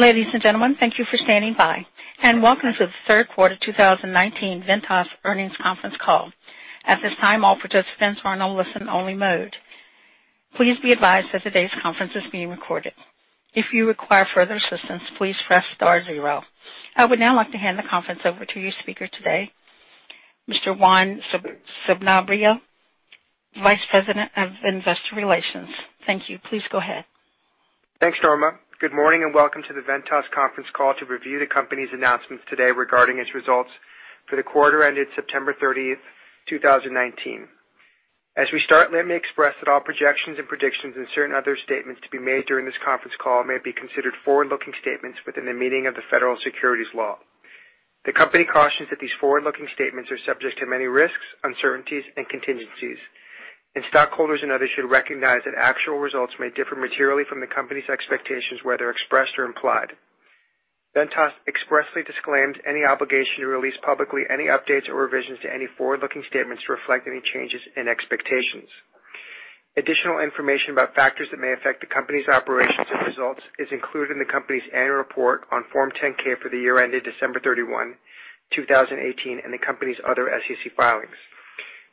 Ladies and gentlemen, thank you for standing by. Welcome to the third quarter 2019 Ventas Earnings Conference Call. At this time, all participants are in a listen-only mode. Please be advised that today's conference is being recorded. If you require further assistance, please press star zero. I would now like to hand the conference over to your speaker today, Mr. Juan Solorzano, Vice President of Investor Relations. Thank you. Please go ahead. Thanks, Norma. Good morning, welcome to the Ventas conference call to review the company's announcements today regarding its results for the quarter ended September 30th, 2019. As we start, let me express that all projections and predictions and certain other statements to be made during this conference call may be considered forward-looking statements within the meaning of the Federal Securities Laws. The company cautions that these forward-looking statements are subject to many risks, uncertainties, and contingencies, and stockholders and others should recognize that actual results may differ materially from the company's expectations, whether expressed or implied. Ventas expressly disclaims any obligation to release publicly any updates or revisions to any forward-looking statements to reflect any changes in expectations. Additional information about factors that may affect the company's operations and results is included in the company's annual report on Form 10-K for the year ended December 31, 2018, and the company's other SEC filings.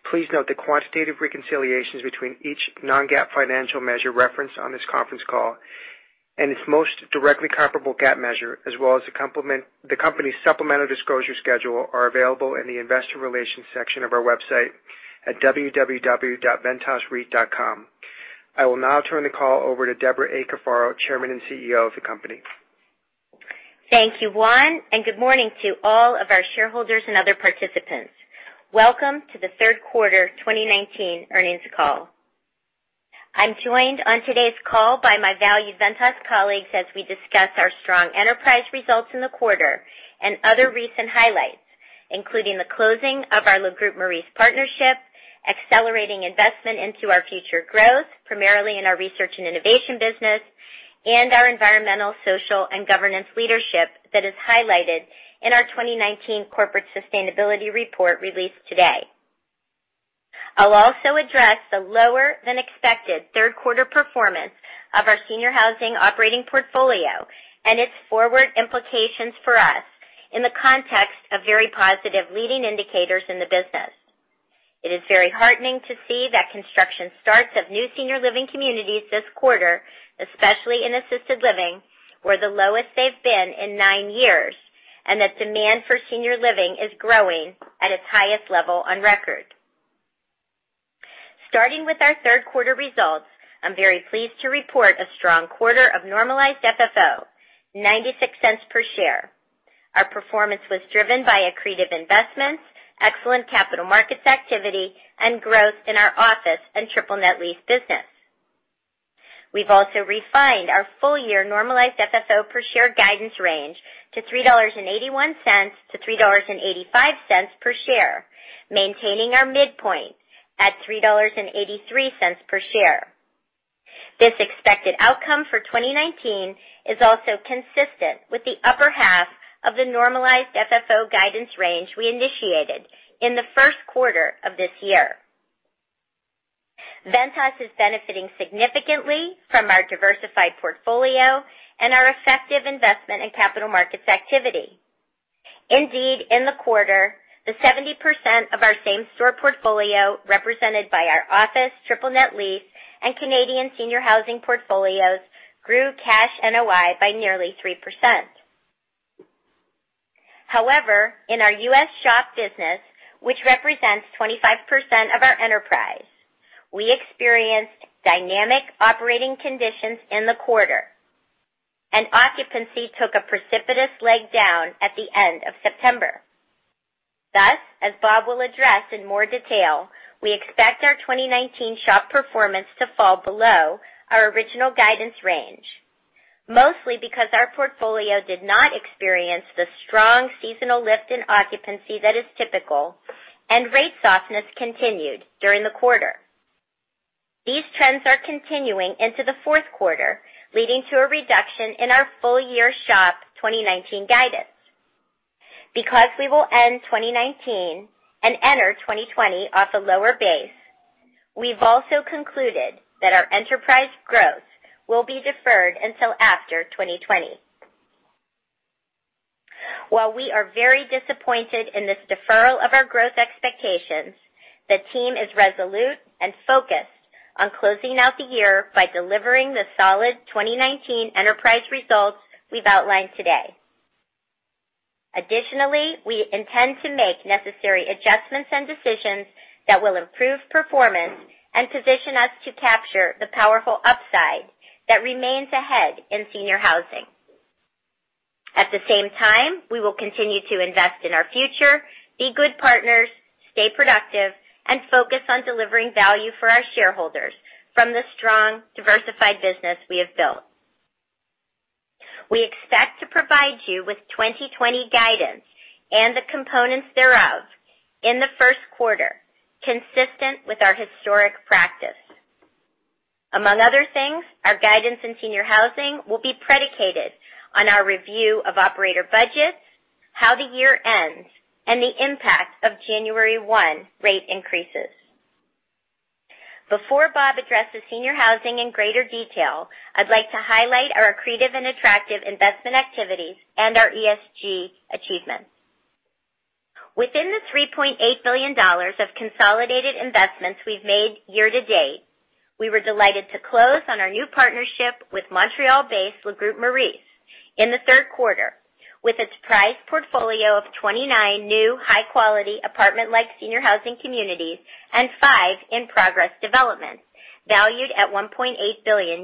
Please note the quantitative reconciliations between each non-GAAP financial measure referenced on this conference call and its most directly comparable GAAP measure, as well as the company's supplemental disclosure schedule are available in the investor relations section of our website at www.ventasreit.com. I will now turn the call over to Debra A. Cafaro, Chairman and Chief Executive Officer of the company. Thank you, Juan, and good morning to all of our shareholders and other participants. Welcome to the third quarter 2019 earnings call. I'm joined on today's call by my valued Ventas colleagues as we discuss our strong enterprise results in the quarter and other recent highlights, including the closing of our Le Groupe Maurice partnership, accelerating investment into our future growth, primarily in our Research & Innovation business, and our environmental, social, and governance leadership that is highlighted in our 2019 Corporate Sustainability Report released today. I'll also address the lower-than-expected third quarter performance of our senior housing operating portfolio and its forward implications for us in the context of very positive leading indicators in the business. It is very heartening to see that construction starts of new senior living communities this quarter, especially in assisted living, were the lowest they've been in nine years, and that demand for senior living is growing at its highest level on record. Starting with our third quarter results, I'm very pleased to report a strong quarter of normalized FFO, $0.96 per share. Our performance was driven by accretive investments, excellent capital markets activity, and growth in our office and triple net lease business. We've also refined our full-year normalized FFO per share guidance range to $3.81-$3.85 per share, maintaining our midpoint at $3.83 per share. This expected outcome for 2019 is also consistent with the upper half of the normalized FFO guidance range we initiated in the first quarter of this year. Ventas is benefiting significantly from our diversified portfolio and our effective investment in capital markets activity. Indeed, in the quarter, the 70% of our same-store portfolio represented by our office, triple net lease, and Canadian senior housing portfolios grew cash NOI by nearly 3%. However, in our U.S. SHOP business, which represents 25% of our enterprise, we experienced dynamic operating conditions in the quarter, and occupancy took a precipitous leg down at the end of September. Thus, as Bob will address in more detail, we expect our 2019 SHOP performance to fall below our original guidance range, mostly because our portfolio did not experience the strong seasonal lift in occupancy that is typical and rate softness continued during the quarter. These trends are continuing into the fourth quarter, leading to a reduction in our full-year SHOP 2019 guidance. Because we will end 2019 and enter 2020 off a lower base, we've also concluded that our enterprise growth will be deferred until after 2020. While we are very disappointed in this deferral of our growth expectations, the team is resolute and focused on closing out the year by delivering the solid 2019 enterprise results we've outlined today. Additionally, we intend to make necessary adjustments and decisions that will improve performance and position us to capture the powerful upside that remains ahead in senior housing. At the same time, we will continue to invest in our future, be good partners, stay productive, and focus on delivering value for our shareholders from the strong, diversified business we have built. We expect to provide you with 2020 guidance and the components thereof in the first quarter, consistent with our historic practice. Among other things, our guidance in senior housing will be predicated on our review of operator budgets, how the year ends, and the impact of January 1 rate increases. Before Bob addresses senior housing in greater detail, I'd like to highlight our accretive and attractive investment activities and our ESG achievements. Within the $3.8 billion of consolidated investments we've made year-to-date, we were delighted to close on our new partnership with Montreal-based Le Groupe Maurice in the third quarter, with its prized portfolio of 29 new high-quality apartment-like senior housing communities and five in-progress developments valued at $1.8 billion.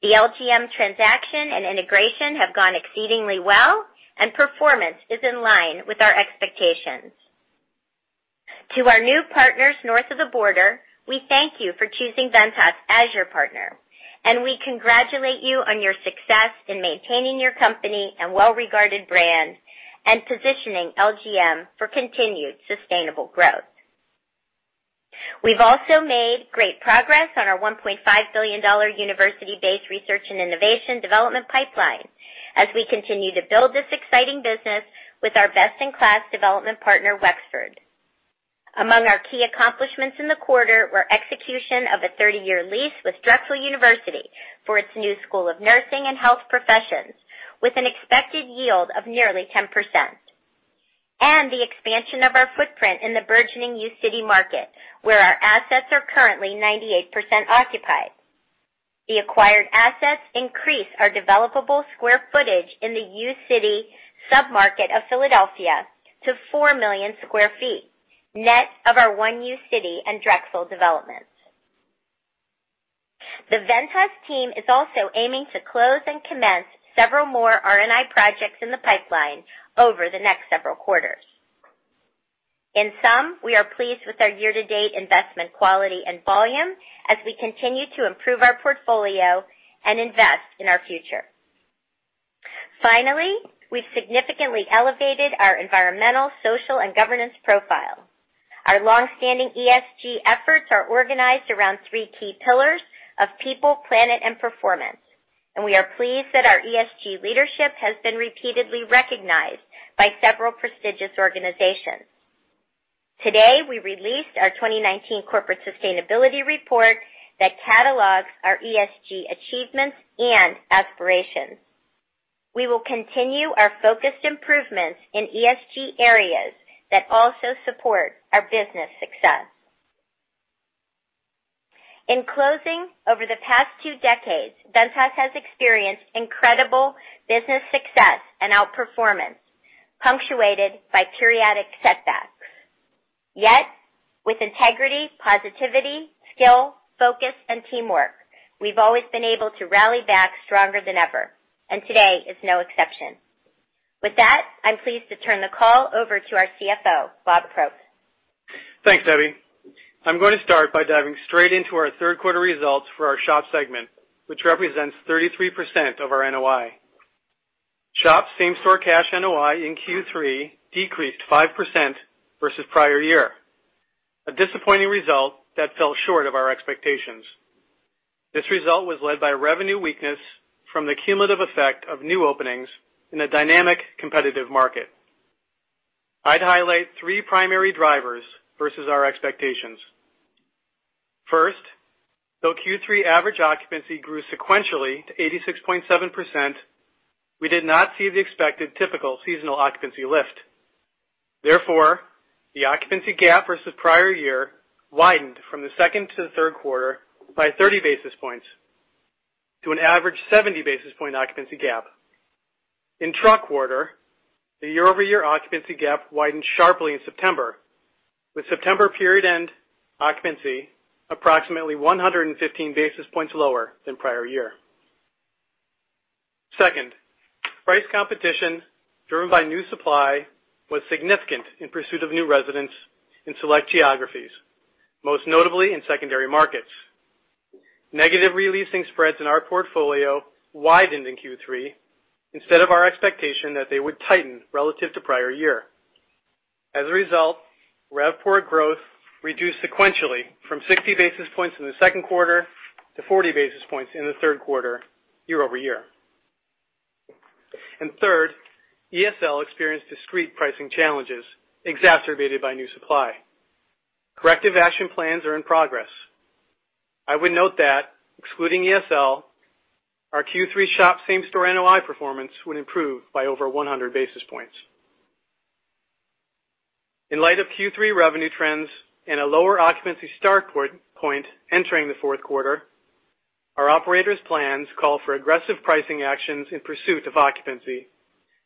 The LGM transaction and integration have gone exceedingly well, and performance is in line with our expectations. To our new partners north of the border, we thank you for choosing Ventas as your partner, and we congratulate you on your success in maintaining your company and well-regarded brand and positioning LGM for continued sustainable growth. We've also made great progress on our $1.5 billion university-based Research and Innovation development pipeline as we continue to build this exciting business with our best-in-class development partner, Wexford. Among our key accomplishments in the quarter were execution of a 30-year lease with Drexel University for its new College of Nursing and Health Professions, with an expected yield of nearly 10%, and the expansion of our footprint in the burgeoning U City market, where our assets are currently 98% occupied. The acquired assets increase our developable square footage in the U City sub-market of Philadelphia to 4 million sq ft, net of our One uCity and Drexel developments. The Ventas team is also aiming to close and commence several more R&I projects in the pipeline over the next several quarters. In sum, we are pleased with our year-to-date investment quality and volume as we continue to improve our portfolio and invest in our future. Finally, we've significantly elevated our environmental, social, and governance profile. Our long-standing ESG efforts are organized around three key pillars of people, planet, and performance, and we are pleased that our ESG leadership has been repeatedly recognized by several prestigious organizations. Today, we released our 2019 Corporate Sustainability Report that catalogs our ESG achievements and aspirations. We will continue our focused improvements in ESG areas that also support our business success. In closing, over the past two decades, Ventas has experienced incredible business success and outperformance, punctuated by periodic setbacks. With integrity, positivity, skill, focus, and teamwork, we've always been able to rally back stronger than ever, and today is no exception. With that, I'm pleased to turn the call over to our Chief Financial Officer, Bob Probst. Thanks, Debbie. I'm going to start by diving straight into our third quarter results for our SHOP segment, which represents 33% of our NOI. SHOP same-store cash NOI in Q3 decreased 5% versus prior year, a disappointing result that fell short of our expectations. This result was led by revenue weakness from the cumulative effect of new openings in a dynamic competitive market. I'd highlight three primary drivers versus our expectations. First, though Q3 average occupancy grew sequentially to 86.7%, we did not see the expected typical seasonal occupancy lift. Therefore, the occupancy gap versus prior year widened from the second to the third quarter by 30 basis points to an average 70 basis point occupancy gap. In the quarter, the YoY occupancy gap widened sharply in September, with September period end occupancy approximately 115 basis points lower than prior year. Second, price competition driven by new supply was significant in pursuit of new residents in select geographies, most notably in secondary markets. Negative re-leasing spreads in our portfolio widened in Q3 instead of our expectation that they would tighten relative to prior year. As a result, RevPOR growth reduced sequentially from 60 basis points in the second quarter to 40 basis points in the third quarter YoY. Third, ESL experienced discrete pricing challenges exacerbated by new supply. Corrective action plans are in progress. I would note that excluding ESL, our Q3 SHOP same-store NOI performance would improve by over 100 basis points. In light of Q3 revenue trends and a lower occupancy start point entering the fourth quarter, our operators' plans call for aggressive pricing actions in pursuit of occupancy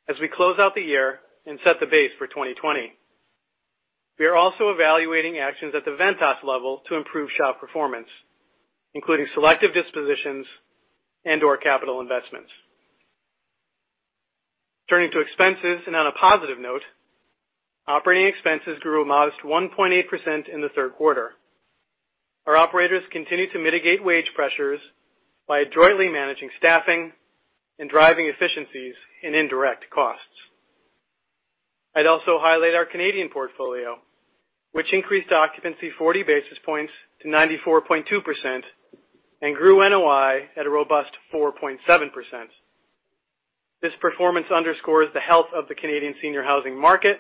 as we close out the year and set the base for 2020. We are also evaluating actions at the Ventas level to improve SHOP performance, including selective dispositions and/or capital investments. Turning to expenses, operating expenses grew a modest 1.8% in the third quarter. Our operators continue to mitigate wage pressures by adroitly managing staffing and driving efficiencies in indirect costs. I'd also highlight our Canadian portfolio, which increased occupancy 40 basis points to 94.2% and grew NOI at a robust 4.7%. This performance underscores the health of the Canadian senior housing market,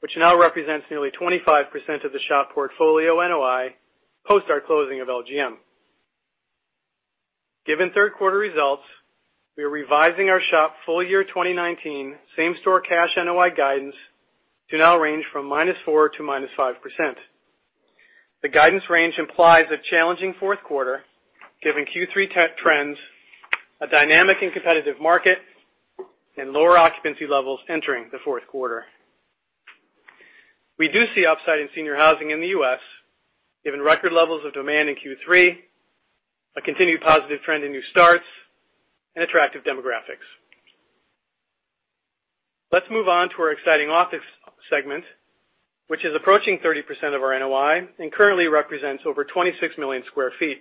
which now represents nearly 25% of the SHOP portfolio NOI post our closing of LGM. Given third quarter results, we are revising our SHOP full year 2019 same store cash NOI guidance to now range from -4% to -5%. The guidance range implies a challenging fourth quarter given Q3 trends, a dynamic and competitive market, and lower occupancy levels entering the fourth quarter. We do see upside in senior housing in the U.S. given record levels of demand in Q3, a continued positive trend in new starts, and attractive demographics. Let's move on to our exciting office segment, which is approaching 30% of our NOI and currently represents over 26 million sq ft.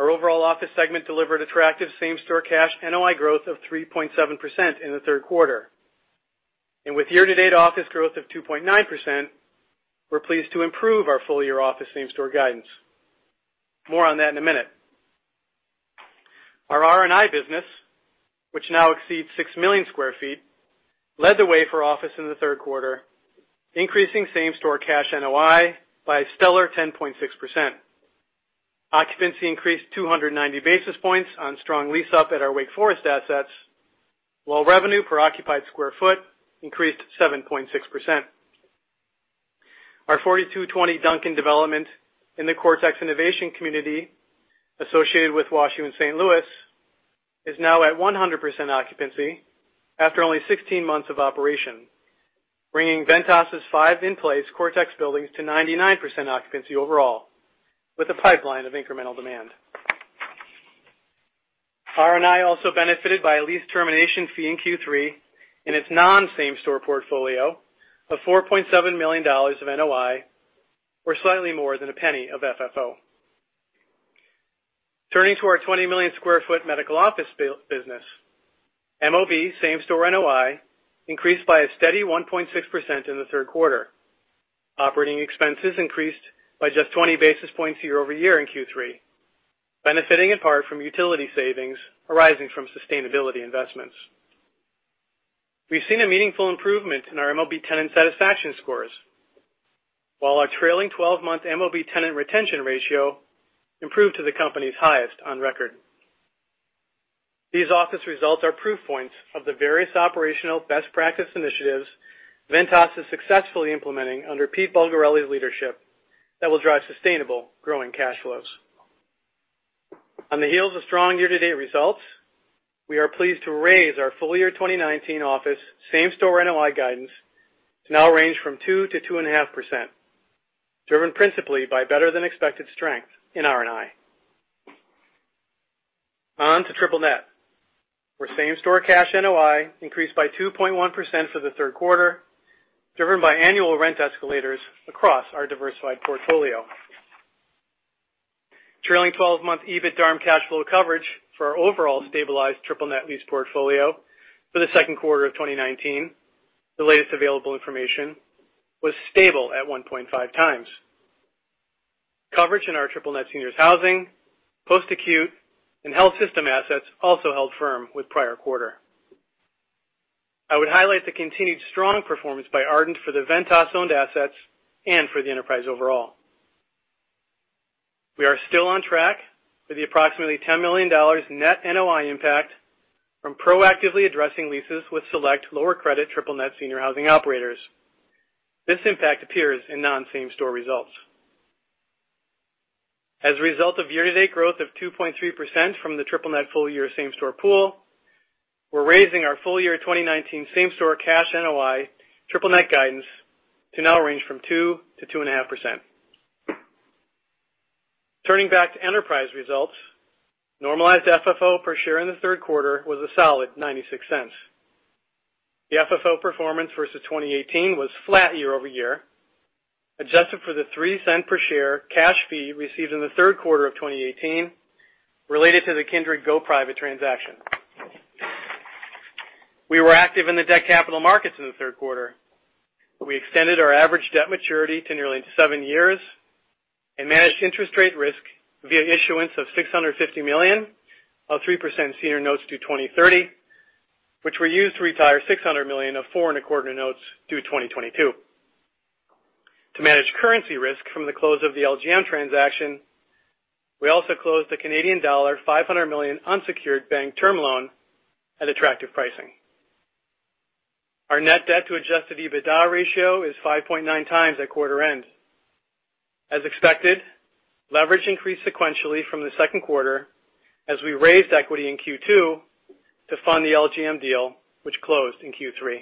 Our overall office segment delivered attractive same-store cash NOI growth of 3.7% in the third quarter. With year-to-date office growth of 2.9%, we're pleased to improve our full year office same store guidance. More on that in a minute. Our R&I business, which now exceeds 6 million sq ft, led the way for office in the third quarter, increasing same store cash NOI by a stellar 10.6%. Occupancy increased 290 basis points on strong lease up at our Wake Forest assets, while revenue per occupied square feet increased 7.6%. Our 4220 Duncan development in the Cortex Innovation Community associated with Washington University in St. Louis is now at 100% occupancy after only 16 months of operation, bringing Ventas' five in-place Cortex buildings to 99% occupancy overall, with a pipeline of incremental demand. R&I also benefited by a lease termination fee in Q3 in its non-same store portfolio of $4.7 million of NOI, or slightly more than $0.01 of FFO. Turning to our 20 million sq ft medical office business. MOB same-store NOI increased by a steady 1.6% in the third quarter. Operating expenses increased by just 20 basis points YoY in Q3, benefiting in part from utility savings arising from sustainability investments. We've seen a meaningful improvement in our MOB tenant satisfaction scores, while our trailing 12-month MOB tenant retention ratio improved to the company's highest on record. These office results are proof points of the various operational best practice initiatives Ventas is successfully implementing under Peter Bulgarelli's leadership that will drive sustainable growing cash flows. On the heels of strong year-to-date results, we are pleased to raise our full-year 2019 office same-store NOI guidance to now range from 2%-2.5%, driven principally by better than expected strength in R&I. On to triple net, where same-store cash NOI increased by 2.1% for the third quarter, driven by annual rent escalators across our diversified portfolio. Trailing 12-month EBITDARM cash flow coverage for our overall stabilized triple net lease portfolio for the second quarter of 2019, the latest available information, was stable at 1.5 times. Coverage in our triple net seniors housing, post-acute and health system assets also held firm with prior quarter. I would highlight the continued strong performance by Ardent for the Ventas-owned assets and for the enterprise overall. We are still on track with the approximately $10 million net NOI impact from proactively addressing leases with select lower credit triple net seniors housing operators. This impact appears in non-same-store results. As a result of year-to-date growth of 2.3% from the triple net full year same store pool, we're raising our full year 2019 same store cash NOI triple net guidance to now range from 2%-2.5%. Turning back to enterprise results, normalized FFO per share in the third quarter was a solid $0.96. The FFO performance versus 2018 was flat YoY, adjusted for the $0.03 per share cash fee received in the third quarter of 2018 related to the Kindred go private transaction. We were active in the debt capital markets in the third quarter. We extended our average debt maturity to nearly seven years and managed interest rate risk via issuance of $650 million of 3% senior notes due 2030, which were used to retire $600 million of four and a quarter notes due 2022. To manage currency risk from the close of the LGM transaction, we also closed the Canadian dollar 500 million unsecured bank term loan at attractive pricing. Our net debt to Adjusted EBITDA ratio is 5.9x at quarter end. As expected, leverage increased sequentially from the second quarter as we raised equity in Q2 to fund the LGM deal, which closed in Q3.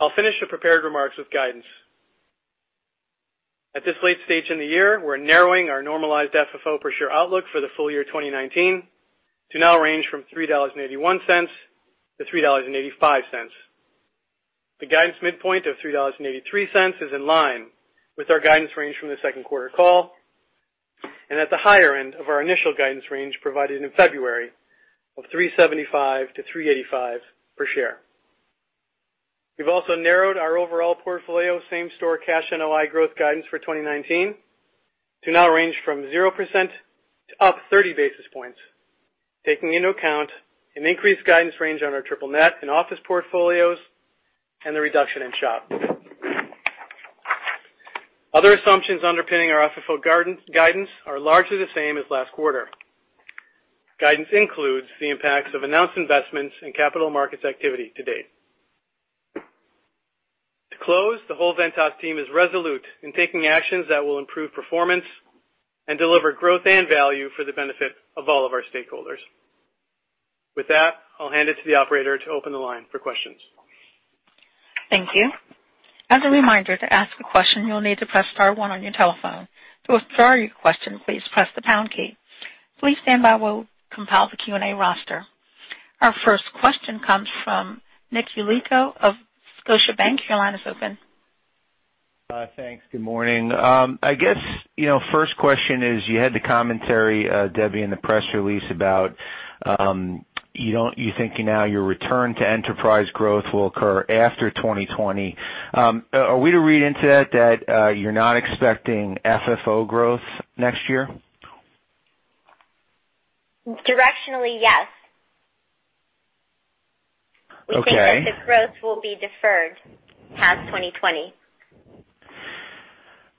I'll finish the prepared remarks with guidance. At this late stage in the year, we're narrowing our normalized FFO per share outlook for the full year 2019 to now range from $3.81-$3.85. The guidance midpoint of $3.83 is in line with our guidance range from the second quarter call and at the higher end of our initial guidance range provided in February of $3.75-$3.85 per share. We've also narrowed our overall portfolio same-store cash NOI growth guidance for 2019 to now range from 0% to up 30 basis points, taking into account an increased guidance range on our triple net and office portfolios and the reduction in SHOP. Other assumptions underpinning our FFO guidance are largely the same as last quarter. Guidance includes the impacts of announced investments in capital markets activity to date. To close, the whole Ventas team is resolute in taking actions that will improve performance and deliver growth and value for the benefit of all of our stakeholders. With that, I'll hand it to the operator to open the line for questions. Thank you. As a reminder, to ask a question, you'll need to press star one on your telephone. To withdraw your question, please press the pound key. Please stand by while we compile the Q&A roster. Our first question comes from Nicholas Yulico of Scotiabank. Your line is open. Thanks. Good morning. I guess, you know, first question is you had the commentary, Debbie, in the press release about, you think now your return to enterprise growth will occur after 2020. Are we to read into that, you're not expecting FFO growth next year? Directionally, yes. Okay. We think that the growth will be deferred past 2020. Okay.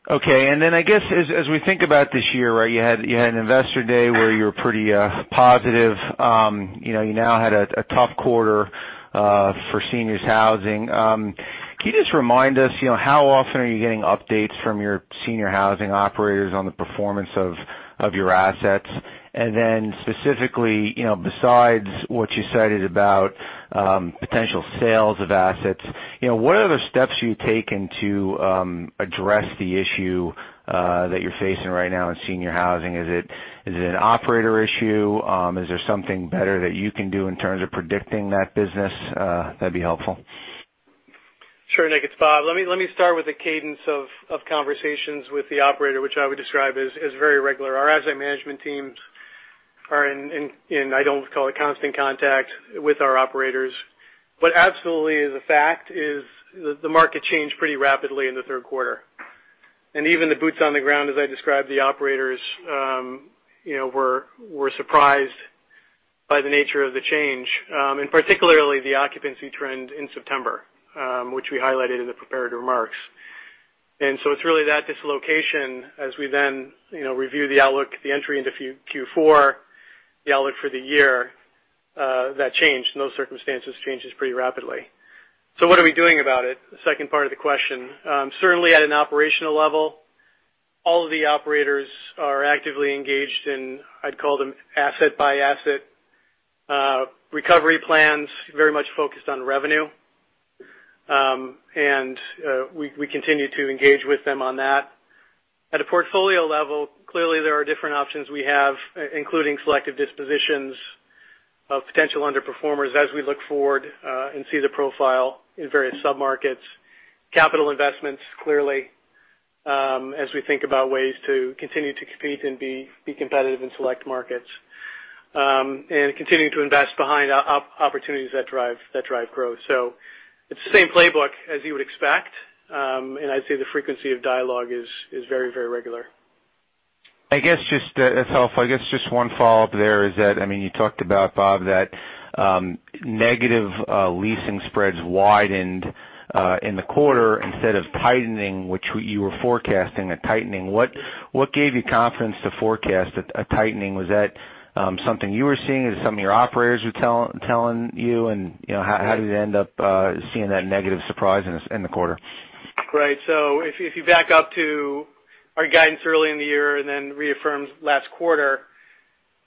I guess as we think about this year, right, you had an investor day where you were pretty positive. You know, you now had a tough quarter for seniors housing. Can you just remind us, you know, how often are you getting updates from your senior housing operators on the performance of your assets? Specifically, you know, besides what you cited about potential sales of assets, you know, what other steps are you taking to address the issue that you're facing right now in seniors housing? Is it an operator issue? Is there something better that you can do in terms of predicting that business? That'd be helpful. Sure, Nick, it's Bob. Let me start with the cadence of conversations with the operator, which I would describe as very regular. Our asset management teams are in, I don't call it constant contact with our operators, but absolutely the fact is the market changed pretty rapidly in the third quarter. Even the boots on the ground, as I described, the operators, you know, were surprised by the nature of the change, and particularly the occupancy trend in September, which we highlighted in the prepared remarks. It's really that dislocation as we then, you know, review the outlook, the entry into Q4, the outlook for the year, that changed, and those circumstances changes pretty rapidly. What are we doing about it? The second part of the question. Certainly at an operational level, all of the operators are actively engaged in, I'd call them asset-by-asset, recovery plans, very much focused on revenue. We continue to engage with them on that. At a portfolio level, clearly there are different options we have, including selective dispositions of potential underperformers as we look forward, and see the profile in various submarkets. Capital investments, clearly, as we think about ways to continue to compete and be competitive in select markets, and continuing to invest behind opportunities that drive growth. It's the same playbook as you would expect, and I'd say the frequency of dialogue is very, very regular. I guess just, if helpful, I guess just one follow-up there is that, I mean, you talked about, Bob, that negative leasing spreads widened in the quarter instead of tightening, which you were forecasting a tightening. What, what gave you confidence to forecast a tightening? Was that something you were seeing? Is it something your operators were telling you? And, you know, how did you end up seeing that negative surprise in the quarter? Right. If you back up to our guidance early in the year and then reaffirmed last quarter,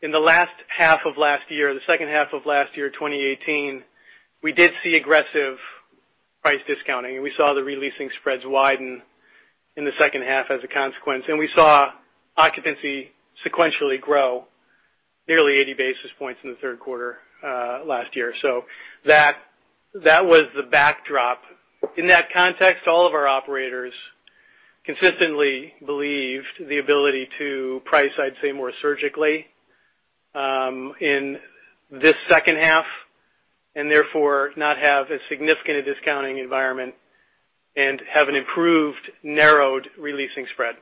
in the last half of last year, 2018, we did see aggressive price discounting, and we saw the re-leasing spreads widen in the second half as a consequence. We saw occupancy sequentially grow nearly 80 basis points in the third quarter last year. That was the backdrop. In that context, all of our operators consistently believed the ability to price, I'd say, more surgically, in this second half, and therefore not have as significant a discounting environment and have an improved, narrowed re-leasing spread.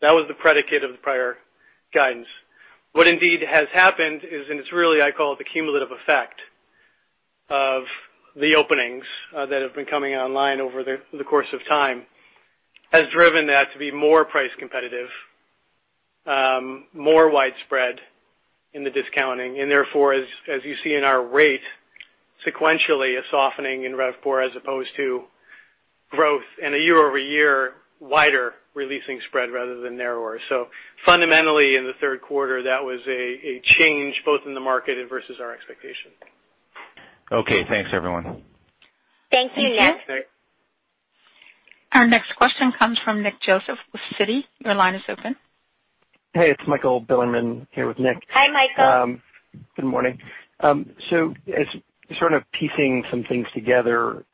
That was the predicate of the prior guidance. What indeed has happened is, it's really, I call it the cumulative effect of the openings that have been coming online over the course of time, has driven that to be more price competitive, more widespread in the discounting, and therefore, as you see in our rate, sequentially a softening in RevPAR as opposed to growth in a YoY wider re-leasing spread rather than narrower. Fundamentally, in the third quarter, that was a change both in the market and versus our expectation. Okay. Thanks, everyone. Thank you, Nick. Our next question comes from Nick Joseph with Citi. Your line is open. Hey, it's Michael Bilerman here with Nick. Hi, Michael. Good morning. As sort of piecing some things together,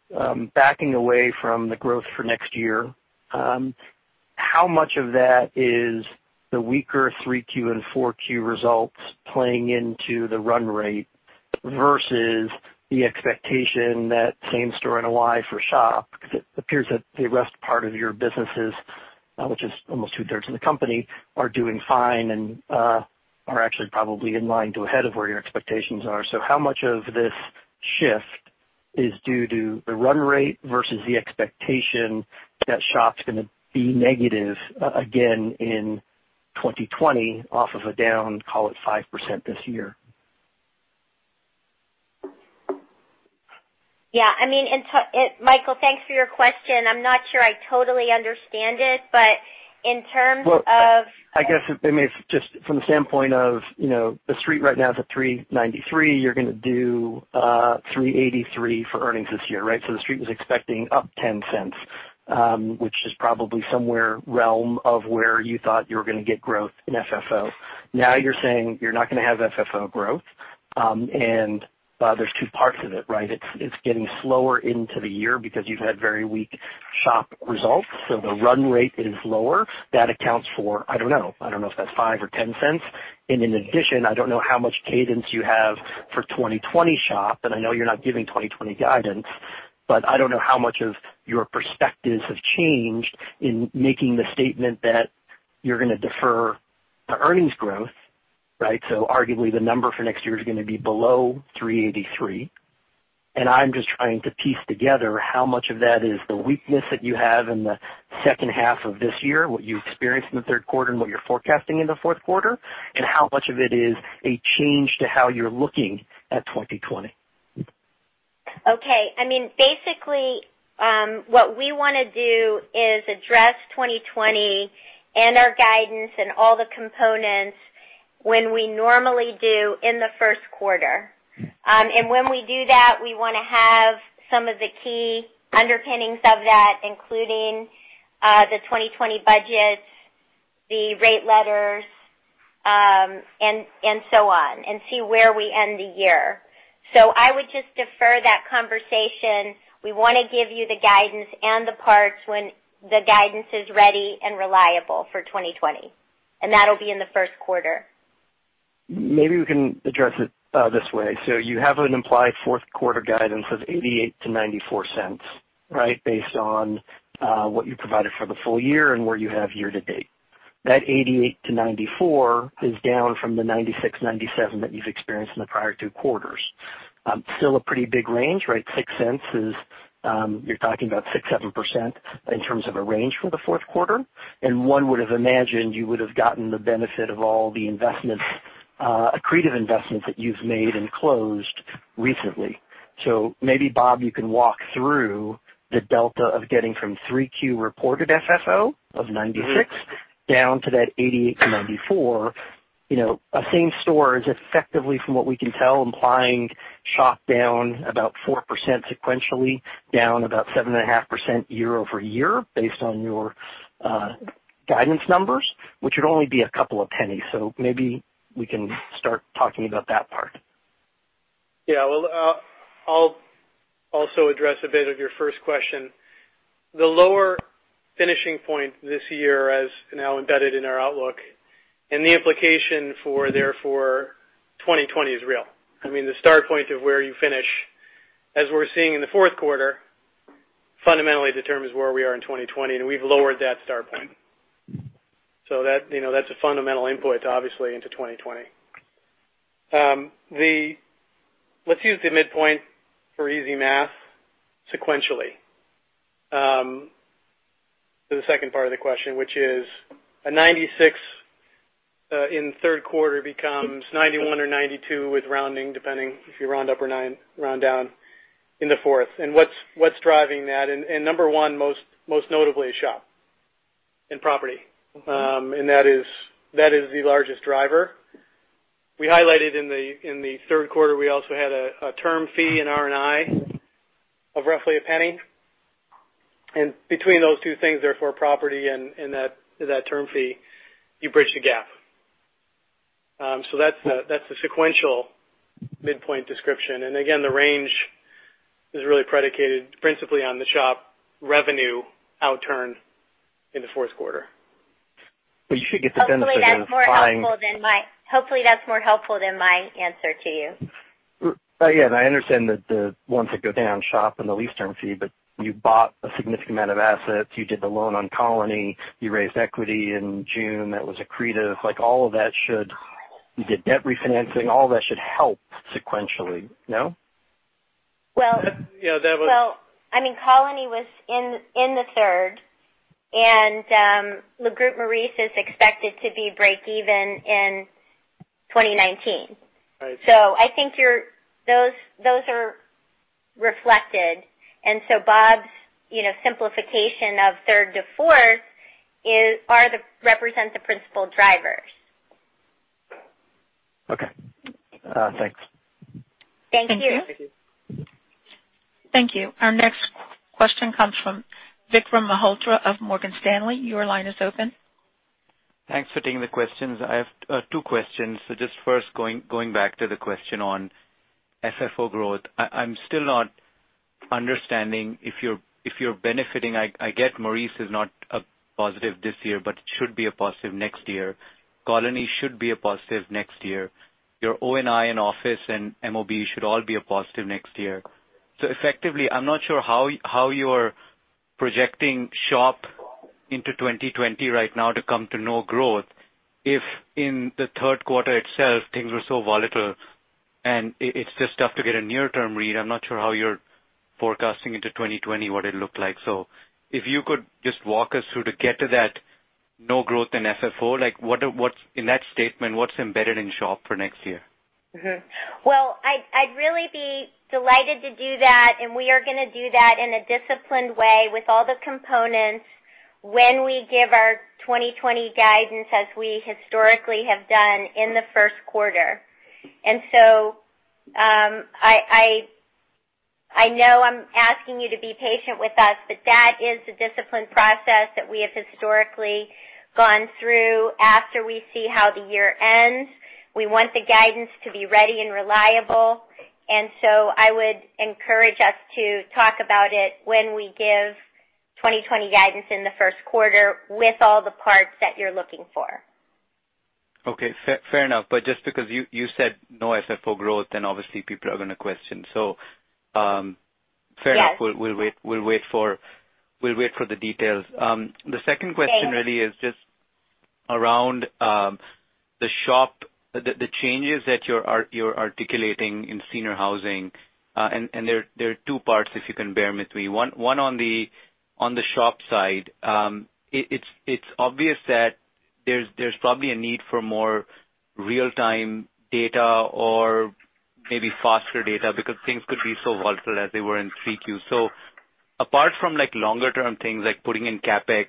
backing away from the growth for next year, how much of that is the weaker 3Q and 4Q results playing into the run rate versus the expectation that same-store NOI for SHOP? Because it appears that the rest part of your businesses, which is almost two-third of the company, are doing fine and are actually probably in line to ahead of where your expectations are. How much of this shift is due to the run rate versus the expectation that SHOP's gonna be negative again in 2020 off of a down, call it 5% this year? Yeah, I mean, Michael, thanks for your question. I'm not sure I totally understand it. Well, I guess, I mean, just from the standpoint of, you know, the street right now is at $3.93. You're gonna do $3.83 for earnings this year, right? The street was expecting up $0.10, which is probably somewhere realm of where you thought you were gonna get growth in FFO. Now, you're saying you're not gonna have FFO growth, there's two parts of it, right? It's getting slower into the year because you've had very weak SHOP results, the run rate is lower. That accounts for, I don't know. I don't know if that's $0.05 or $0.10. In addition, I don't know how much cadence you have for 2020 SHOP, I know you're not giving 2020 guidance. I don't know how much of your perspectives have changed in making the statement that you're gonna defer the earnings growth, right? Arguably, the number for next year is gonna be below $3.83. I'm just trying to piece together how much of that is the weakness that you have in the second half of this year, what you experienced in the third quarter, and what you're forecasting in the fourth quarter, and how much of it is a change to how you're looking at 2020. Okay. I mean, basically, what we wanna do is address 2020 and our guidance and all the components when we normally do in the first quarter. When we do that, we wanna have some of the key underpinnings of that, including the 2020 budgets, the rate letters, and so on, and see where we end the year. I would just defer that conversation. We wanna give you the guidance and the parts when the guidance is ready and reliable for 2020, and that'll be in the first quarter. Maybe we can address it this way. You have an implied fourth quarter guidance of $0.88-$0.94, right? Based on what you provided for the full year and where you have year-to-date. That $0.88-$0.94 is down from the $0.96-$0.97 that you've experienced in the prior two quarters. Still a pretty big range, right? $0.06 is, you're talking about 6%-7% in terms of a range for the fourth quarter, and one would have imagined you would have gotten the benefit of all the investments, accretive investments that you've made and closed recently. Maybe, Bob, you can walk through the delta of getting from 3Q reported FFO of $0.96 down to that $0.88-$0.94. You know, a same store is effectively, from what we can tell, implying SHOP down about 4% sequentially, down about 7.5% YoY based on your guidance numbers, which would only be a couple of pennies. Maybe we can start talking about that part. Yeah. I'll also address a bit of your first question. The lower finishing point this year, as now embedded in our outlook, the implication for therefore 2020 is real. I mean, the start point of where you finish, as we're seeing in the fourth quarter, fundamentally determines where we are in 2020, we've lowered that start point. That, you know, that's a fundamental input, obviously, into 2020. Let's use the midpoint for easy math sequentially, for the second part of the question, which is a 96 in third quarter becomes 91 or 92 with rounding, depending if you round up or round down in the fourth. What's driving that? Number 1, most notably is SHOP and property. That is the largest driver. We highlighted in the third quarter, we also had a term fee in R&I of roughly $0.01. Between those two things, therefore, property and that term fee, you bridge the gap. That's the sequential midpoint description. Again, the range is really predicated principally on the SHOP revenue outturn in the fourth quarter. You should get the benefit of. Hopefully that's more helpful than my answer to you. Yeah, I understand the ones that go down SHOP and the lease term fee, but you bought a significant amount of assets. You did the loan on Colony. You raised equity in June. That was accretive. Like, all of that should, you did debt refinancing. All that should help sequentially, no? Well- That, you know, that was- Well, I mean, Colony was in the third, and Le Groupe Maurice is expected to be break even in 2019. Right. I think those are reflected. Bob's, you know, simplification of third to fourth represents the principal drivers. Okay. Thanks. Thank you. Thank you. Thank you. Thank you. Our next question comes from Vikram Malhotra of Morgan Stanley. Your line is open. Thanks for taking the questions. I have two questions. Just first going back to the question on FFO growth. I'm still not understanding if you're benefiting. I get Maurice is not a positive this year, but it should be a positive next year. Colony should be a positive next year. Your NOI and office and MOB should all be a positive next year. Effectively, I'm not sure how you are projecting SHOP into 2020 right now to come to no growth if in the third quarter itself things were so volatile, and it's just tough to get a near-term read. I'm not sure how you're forecasting into 2020, what it'll look like. If you could just walk us through to get to that no growth in FFO, like what's, in that statement, what's embedded in SHOP for next year? Well, I'd really be delighted to do that, we are gonna do that in a disciplined way with all the components when we give our 2020 guidance, as we historically have done in the first quarter. I know I'm asking you to be patient with us, but that is the disciplined process that we have historically gone through after we see how the year ends. We want the guidance to be ready and reliable. I would encourage us to talk about it when we give 2020 guidance in the first quarter with all the parts that you're looking for. Okay. Fair, fair enough. Just because you said no FFO growth, then obviously people are gonna question. Yes. Fair enough. We'll wait for the details. The second question. Great Really is just around the SHOP, the changes that you're articulating in senior housing. There are two parts, if you can bear with me. One on the SHOP side. It's obvious that there's probably a need for more real-time data or maybe faster data because things could be so volatile as they were in 3Q. Apart from like longer term things like putting in CapEx,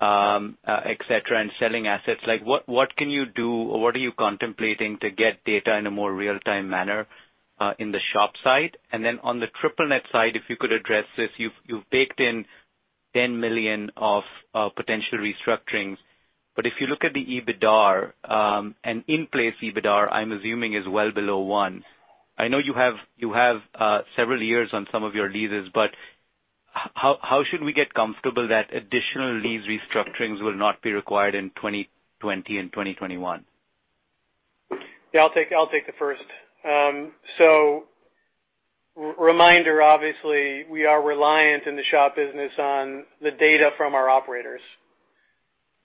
et cetera, and selling assets, like what can you do or what are you contemplating to get data in a more real-time manner in the SHOP side? On the triple net side, if you could address this, you've baked in $10 million of potential restructurings. If you look at the EBITDAR, and in-place EBITDAR, I'm assuming is well below one. I know you have several years on some of your leases, but how should we get comfortable that additional lease restructurings will not be required in 2020 and 2021? Yeah, I'll take the first. Reminder, obviously, we are reliant in the SHOP business on the data from our operators.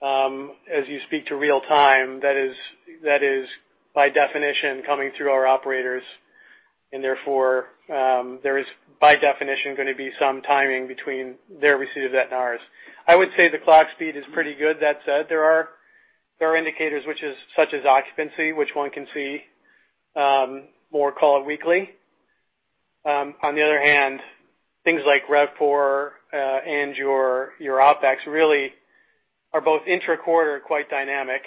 As you speak to real time, that is by definition coming through our operators, therefore, there is by definition gonna be some timing between their receipt of that and ours. I would say the clock speed is pretty good. That said, there are indicators which is, such as occupancy, which one can see more call it weekly. On the other hand, things like RevPOR and your OpEx really are both intra-quarter quite dynamic.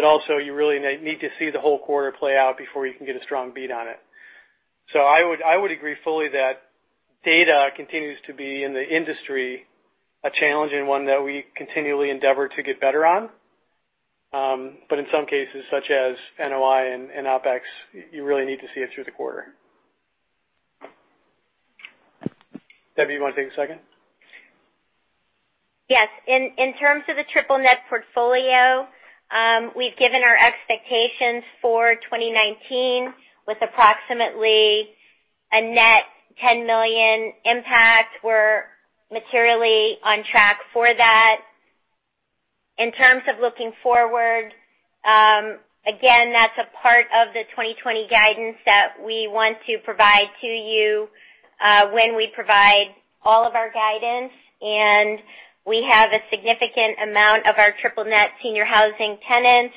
Also you really need to see the whole quarter play out before you can get a strong beat on it. I would agree fully that data continues to be, in the industry, a challenge and one that we continually endeavor to get better on. In some cases, such as NOI and OpEx, you really need to see it through the quarter. Debbie, you wanna take the second? Yes. In terms of the triple net portfolio, we've given our expectations for 2019 with approximately a net $10 million impact. We're materially on track for that. In terms of looking forward, again, that's a part of the 2020 guidance that we want to provide to you when we provide all of our guidance. We have a significant amount of our triple net senior housing tenants,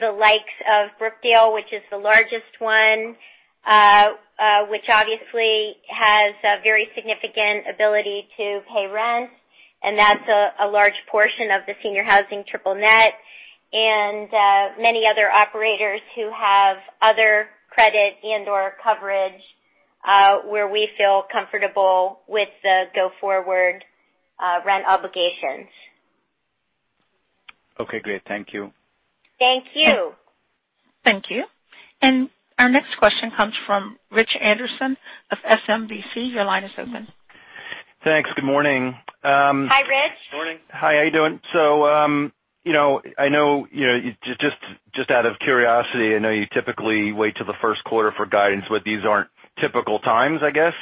the likes of Brookdale, which is the largest one, which obviously has a very significant ability to pay rent, and that's a large portion of the senior housing triple net. Many other operators who have other credit and/or coverage, where we feel comfortable with the go-forward rent obligations. Okay. Great. Thank you. Thank you. Thank you. Our next question comes from Richard Anderson of SMBC. Your line is open. Thanks. Good morning. Hi, Rich. Morning. Hi, how you doing? You know, I know, you know, just out of curiosity, I know you typically wait till the first quarter for guidance, but these aren't typical times, I guess.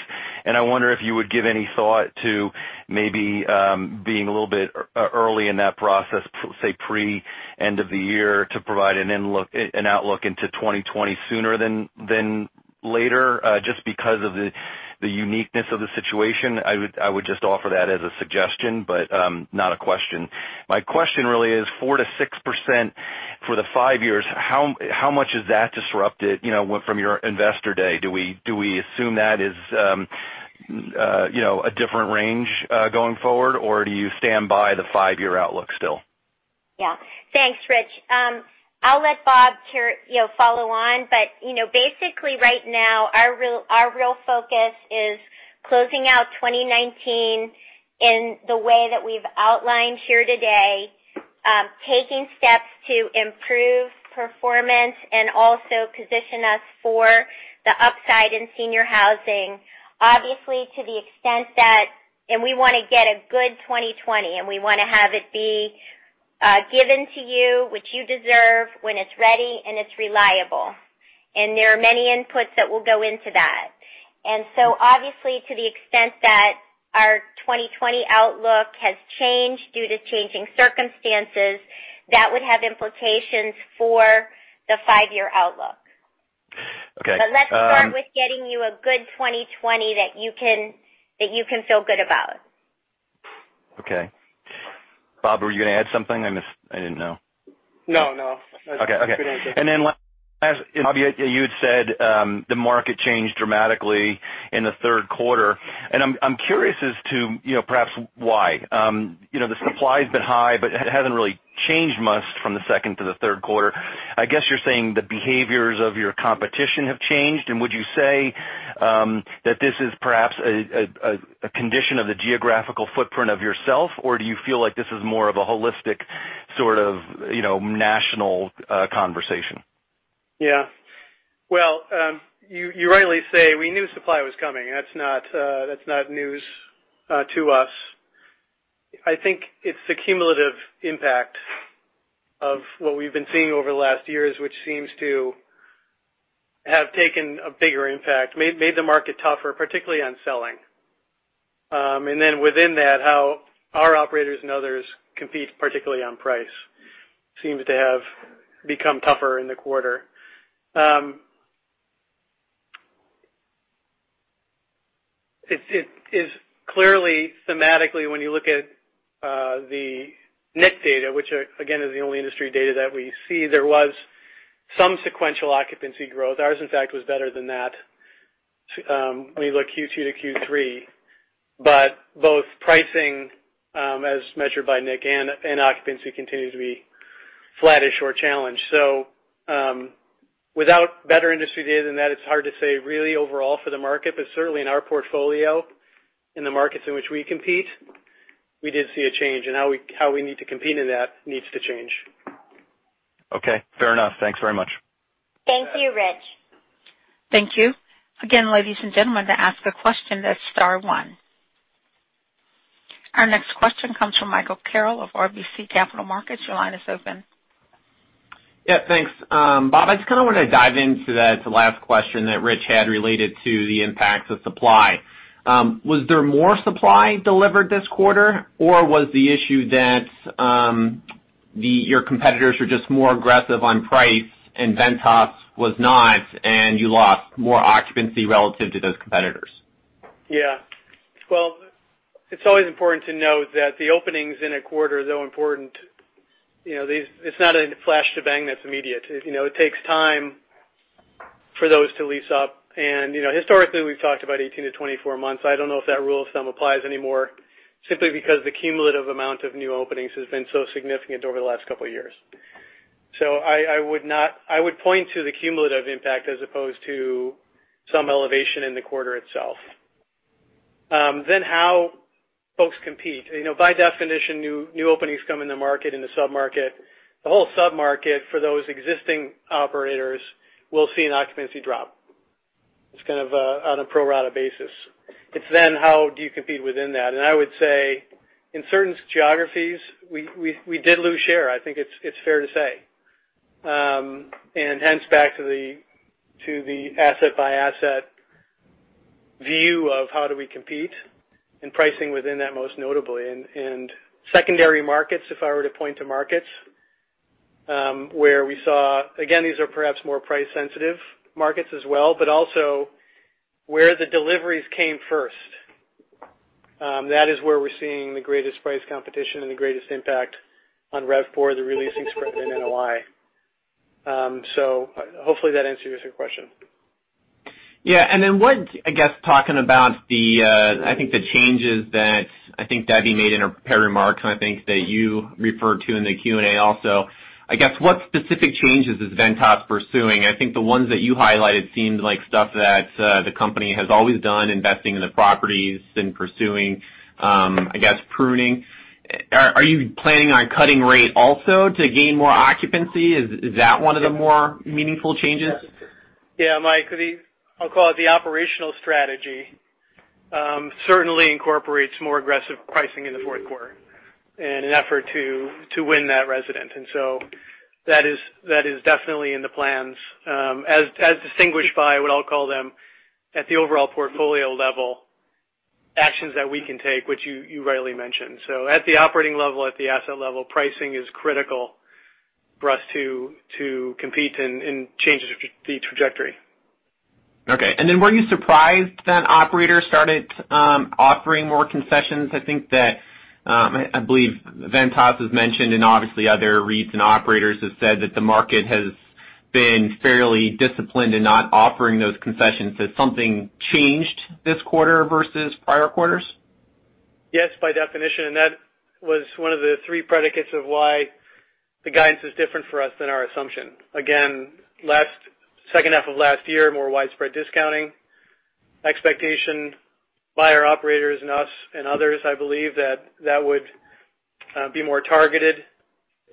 I wonder if you would give any thought to maybe being a little bit early in that process, say pre-end of the year, to provide an outlook into 2020 sooner than later, just because of the uniqueness of the situation. I would just offer that as a suggestion, not a question. My question really is 4%-6% for the five years, how much has that disrupted, you know, from your investor day? Do we assume that is, you know, a different range going forward, or do you stand by the five-year outlook still? Yeah. Thanks, Rich. I'll let Bob share, you know, follow on. You know, basically right now, our real focus is closing out 2019 in the way that we've outlined here today, taking steps to improve performance and also position us for the upside in senior housing, obviously to the extent that we wanna get a good 2020, and we wanna have it be given to you, which you deserve when it's ready and it's reliable. There are many inputs that will go into that. Obviously to the extent that our 2020 outlook has changed due to changing circumstances, that would have implications for the five-year outlook. Okay. Let's start with getting you a good 2020 that you can feel good about. Okay. Bob, were you gonna add something? I didn't know. No, no. Okay. That's a good answer. As, Bob, you had said, the market changed dramatically in the third quarter, and I'm curious as to, you know, perhaps why. You know, the supply's been high, but it hasn't really changed much from the second to the third quarter. I guess you're saying the behaviors of your competition have changed. Would you say that this is perhaps a condition of the geographical footprint of yourself, or do you feel like this is more of a holistic sort of, you know, national conversation? Well, you rightly say we knew supply was coming. That's not news to us. I think it's the cumulative impact of what we've been seeing over the last years, which seems to have taken a bigger impact, made the market tougher, particularly on selling. Then within that, how our operators and others compete particularly on price seems to have become tougher in the quarter. It's clearly thematically, when you look at the NIC data, which again, is the only industry data that we see, there was some sequential occupancy growth. Ours, in fact, was better than that when you look Q2 to Q3. Both pricing, as measured by NIC and occupancy continues to be flattish or challenged. Without better industry data than that, it's hard to say really overall for the market, but certainly in our portfolio, in the markets in which we compete, we did see a change in how we need to compete in that needs to change. Okay, fair enough. Thanks very much. Thank you, Rich. Thank you. Again, ladies and gentlemen, to ask a question, that's star one. Our next question comes from Michael Carroll of RBC Capital Markets. Your line is open. Yeah, thanks. Bob, I just kinda wanna dive into that last question that Rich had related to the impacts of supply. Was there more supply delivered this quarter, or was the issue that your competitors are just more aggressive on price and Ventas was not, and you lost more occupancy relative to those competitors? Well, it's always important to note that the openings in a quarter, though important, you know, it's not a flash to bang that's immediate. You know, it takes time for those to lease up. You know, historically, we've talked about 18-24 months. I don't know if that rule of thumb applies anymore, simply because the cumulative amount of new openings has been so significant over the last couple of years. I would point to the cumulative impact as opposed to some elevation in the quarter itself. How folks compete. You know, by definition, new openings come in the market, in the sub-market. The whole sub-market for those existing operators will see an occupancy drop. It's kind of on a pro rata basis. It's then how do you compete within that? I would say in certain geographies, we did lose share, I think it's fair to say. Hence back to the asset by asset view of how do we compete and pricing within that, most notably. Secondary markets, if I were to point to markets, where we saw Again, these are perhaps more price sensitive markets as well, but also where the deliveries came first, that is where we're seeing the greatest price competition and the greatest impact on RevPAR, the re-leasing spread and NOI. Hopefully that answers your question. Yeah. Talking about the changes that Debbie made in her prepared remarks, and that you referred to in the Q&A also, what specific changes is Ventas pursuing? I think the ones that you highlighted seemed like stuff that the company has always done, investing in the properties and pursuing pruning. Are you planning on cutting rate also to gain more occupancy? Is that one of the more meaningful changes? Yeah, Mike. I'll call it the operational strategy, certainly incorporates more aggressive pricing in the fourth quarter in an effort to win that resident. That is definitely in the plans, as distinguished by what I'll call them at the overall portfolio level, actions that we can take, which you rightly mentioned. At the operating level, at the asset level, pricing is critical for us to compete and change the trajectory. Okay. Were you surprised that operators started offering more concessions? I think that, I believe Ventas has mentioned and obviously other REITs and operators have said that the market has Been fairly disciplined in not offering those concessions. Has something changed this quarter versus prior quarters? Yes, by definition, that was one of the three predicates of why the guidance is different for us than our assumption. Again, second half of last year, more widespread discounting. Expectation by our operators and us and others, I believe, that that would be more targeted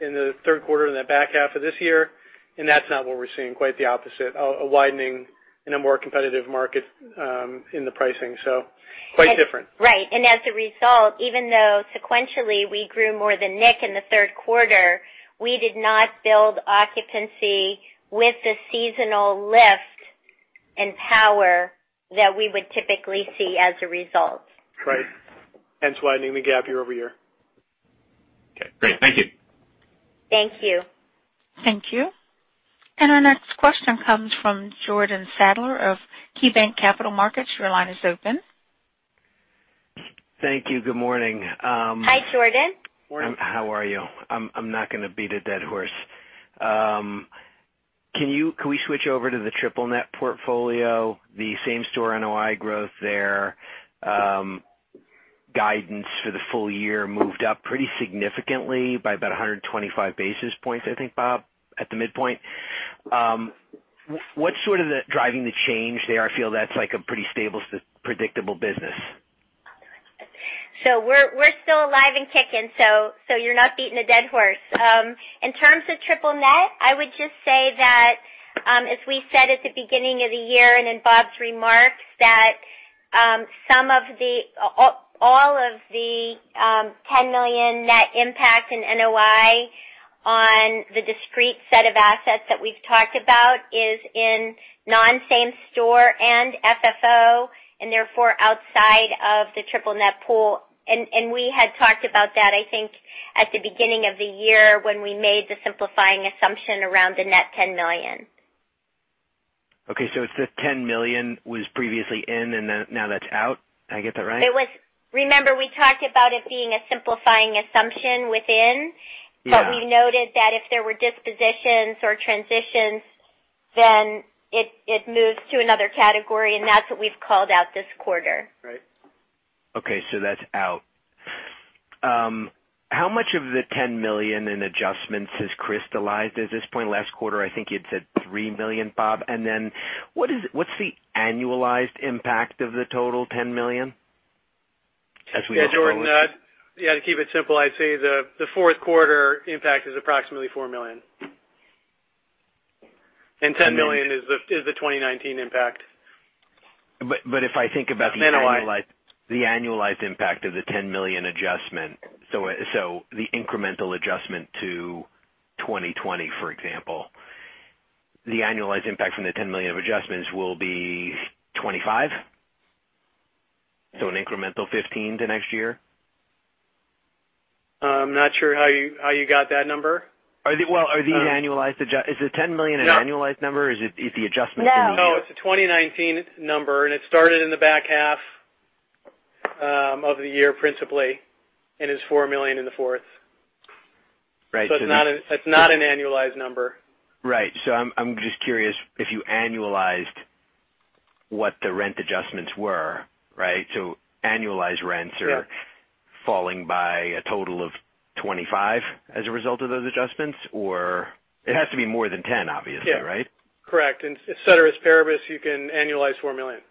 in the third quarter and the back half of this year. That's not what we're seeing, quite the opposite, a widening in a more competitive market in the pricing. Quite different. Right. As a result, even though sequentially we grew more than NIC in the third quarter, we did not build occupancy with the seasonal lift and power that we would typically see as a result. Right. Hence widening the gap YoY. Okay, great. Thank you. Thank you. Thank you. Our next question comes from Jordan Sadler of KeyBanc Capital Markets. Your line is open. Thank you. Good morning. Hi, Jordan. Morning. How are you? I'm not gonna beat a dead horse. Can we switch over to the triple net portfolio, the same store NOI growth there, guidance for the full year moved up pretty significantly by about 125 basis points, I think, Bob, at the midpoint. What's sort of the driving the change there? I feel that's like a pretty stable, predictable business. We're still alive and kicking, so you're not beating a dead horse. In terms of triple net, I would just say that as we said at the beginning of the year and in Bob's remarks, that all of the $10 million net impact in NOI on the discrete set of assets that we've talked about is in non-same store and FFO and therefore outside of the triple net pool. We had talked about that, I think, at the beginning of the year when we made the simplifying assumption around the net $10 million. Okay. It's the $10 million was previously in and now that's out. Did I get that right? Remember we talked about it being a simplifying assumption within. Yeah. We noted that if there were dispositions or transitions, then it moves to another category, and that's what we've called out this quarter. Right. Okay, that's out. How much of the $10 million in adjustments has crystallized at this point? Last quarter, I think you'd said $3 million, Bob. What's the annualized impact of the total $10 million as we look forward? Yeah, Jordan. To keep it simple, I'd say the fourth quarter impact is approximately $4 million. $10 million is the 2019 impact. If I think about the annualized- That's NOI. The annualized impact of the $10 million adjustment. The incremental adjustment to 2020, for example. The annualized impact from the $10 million of adjustments will be $25 million? An incremental $15 million to next year? I'm not sure how you got that number. Well, are these annualized? Is the $10 million an annualized number? No. Is it's the adjustment in the year? No. No, it's a 2019 number, and it started in the back half of the year principally, and is $4 million in the fourth. Right. It's not an annualized number. Right. I'm just curious if you annualized what the rent adjustments were, right? Annualized rents are. Yeah. Falling by a total of $25 million as a result of those adjustments, or it has to be more than $10 million, obviously, right? Yeah. Correct. Ceteris paribus, you can annualize $4 million. Okay,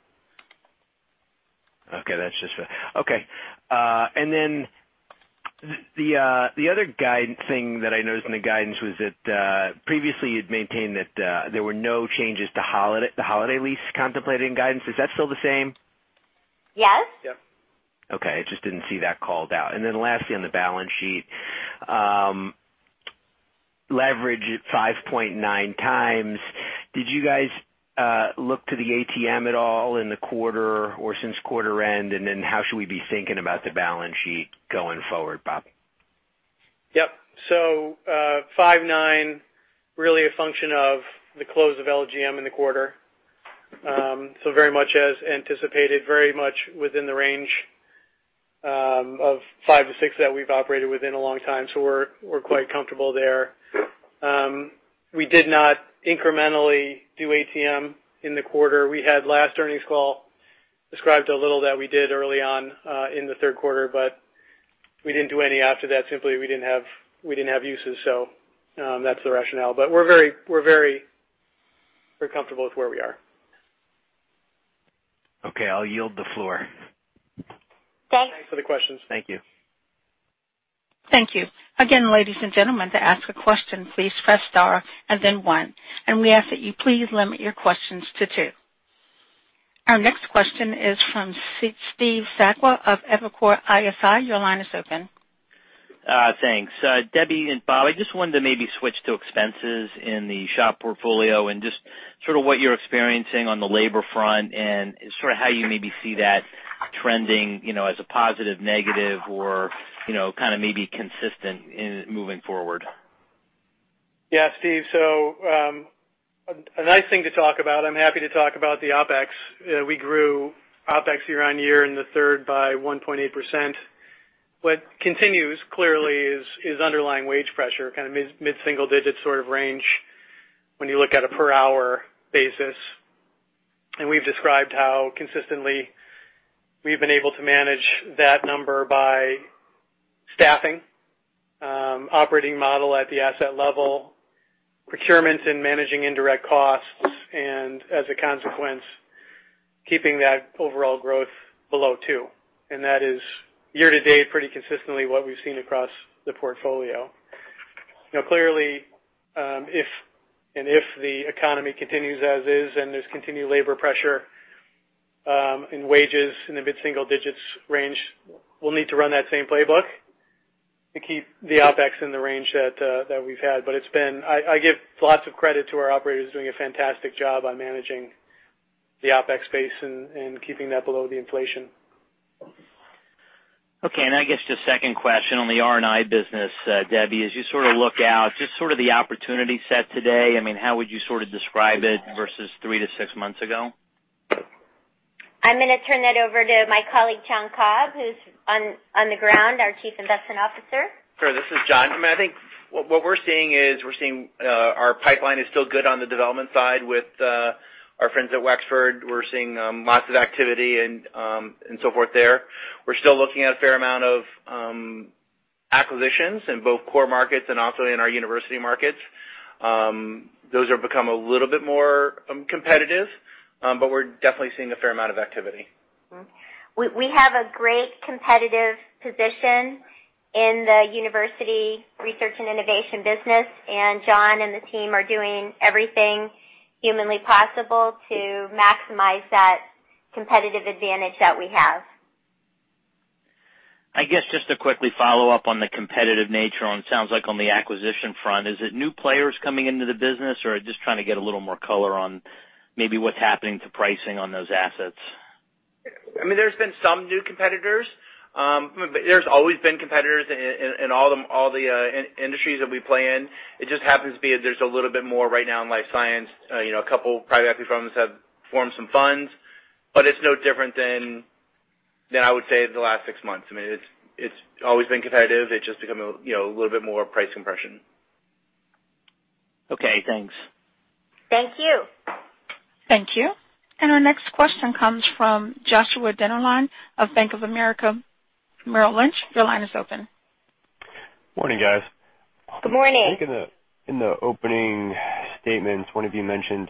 that's just fine. Okay. Then the other guide thing that I noticed in the guidance was that previously you'd maintained that there were no changes to the Holiday lease contemplating guidance. Is that still the same? Yes. Yeah. Okay. I just didn't see that called out. Lastly, on the balance sheet, leverage at 5.9x. Did you guys look to the ATM at all in the quarter or since quarter end? How should we be thinking about the balance sheet going forward, Bob? Yep. 5.9x really a function of the close of LGM in the quarter. Very much as anticipated, very much within the range of five to six that we've operated within a long time. We're quite comfortable there. We did not incrementally do ATM in the quarter. We had last earnings call described a little that we did early on in the third quarter, but we didn't do any after that. Simply, we didn't have uses. That's the rationale. We're very comfortable with where we are. Okay. I'll yield the floor. Thanks. Thanks for the questions. Thank you. Thank you. Again, ladies and gentlemen, to ask a question, please press star and then one. We ask that you please limit your questions to two. Our next question is from Steve Sakwa of Evercore ISI. Your line is open. Thanks, Debbie and Bob, I just wanted to maybe switch to expenses in the SHOP portfolio and just sort of what you're experiencing on the labor front and sort of how you maybe see that trending, you know, as a positive, negative or, you know, kind of maybe consistent in moving forward. Steve, a nice thing to talk about, I'm happy to talk about the OpEx. We grew OpEx year-on-year in the third by 1.8%. What continues clearly is underlying wage pressure, kind of mid single digits sort of range when you look at a per hour basis. We've described how consistently we've been able to manage that number by staffing, operating model at the asset level, procurements and managing indirect costs, and as a consequence, keeping that overall growth below two. That is year-to-date, pretty consistently what we've seen across the portfolio. Clearly, if and if the economy continues as is, and there's continued labor pressure, in wages in the mid single digits range, we'll need to run that same playbook to keep the OpEx in the range that we've had. I give lots of credit to our operators doing a fantastic job on managing the OpEx base and keeping that below the inflation. Okay. I guess just second question on the R&I business, Debra, as you sort of look out, just sort of the opportunity set today, I mean, how would you sort of describe it versus three to six months ago? I'm gonna turn that over to my colleague, John Cobb, who's on the ground, our Chief Investment Officer. Sure. This is John. I mean, I think what we're seeing is we're seeing our pipeline is still good on the development side with our friends at Wexford. We're seeing lots of activity and so forth there. We're still looking at a fair amount of acquisitions in both core markets and also in our university markets. Those have become a little bit more competitive, but we're definitely seeing a fair amount of activity. We have a great competitive position in the university Research & Innovation business, and John and the team are doing everything humanly possible to maximize that competitive advantage that we have. I guess just to quickly follow up on the competitive nature on sounds like on the acquisition front, is it new players coming into the business, or just trying to get a little more color on maybe what's happening to pricing on those assets? I mean, there's been some new competitors, there's always been competitors in all the industries that we play in. It just happens to be that there's a little bit more right now in life science. You know, a couple private equity firms have formed some funds, it's no different than I would say the last six months. I mean, it's always been competitive. It's just becoming, you know, a little bit more price compression. Okay, thanks. Thank you. Thank you. Our next question comes from Joshua Dennerlein of Bank of America Merrill Lynch. Your line is open. Morning, guys. Good morning. I think in the opening statements, one of you mentioned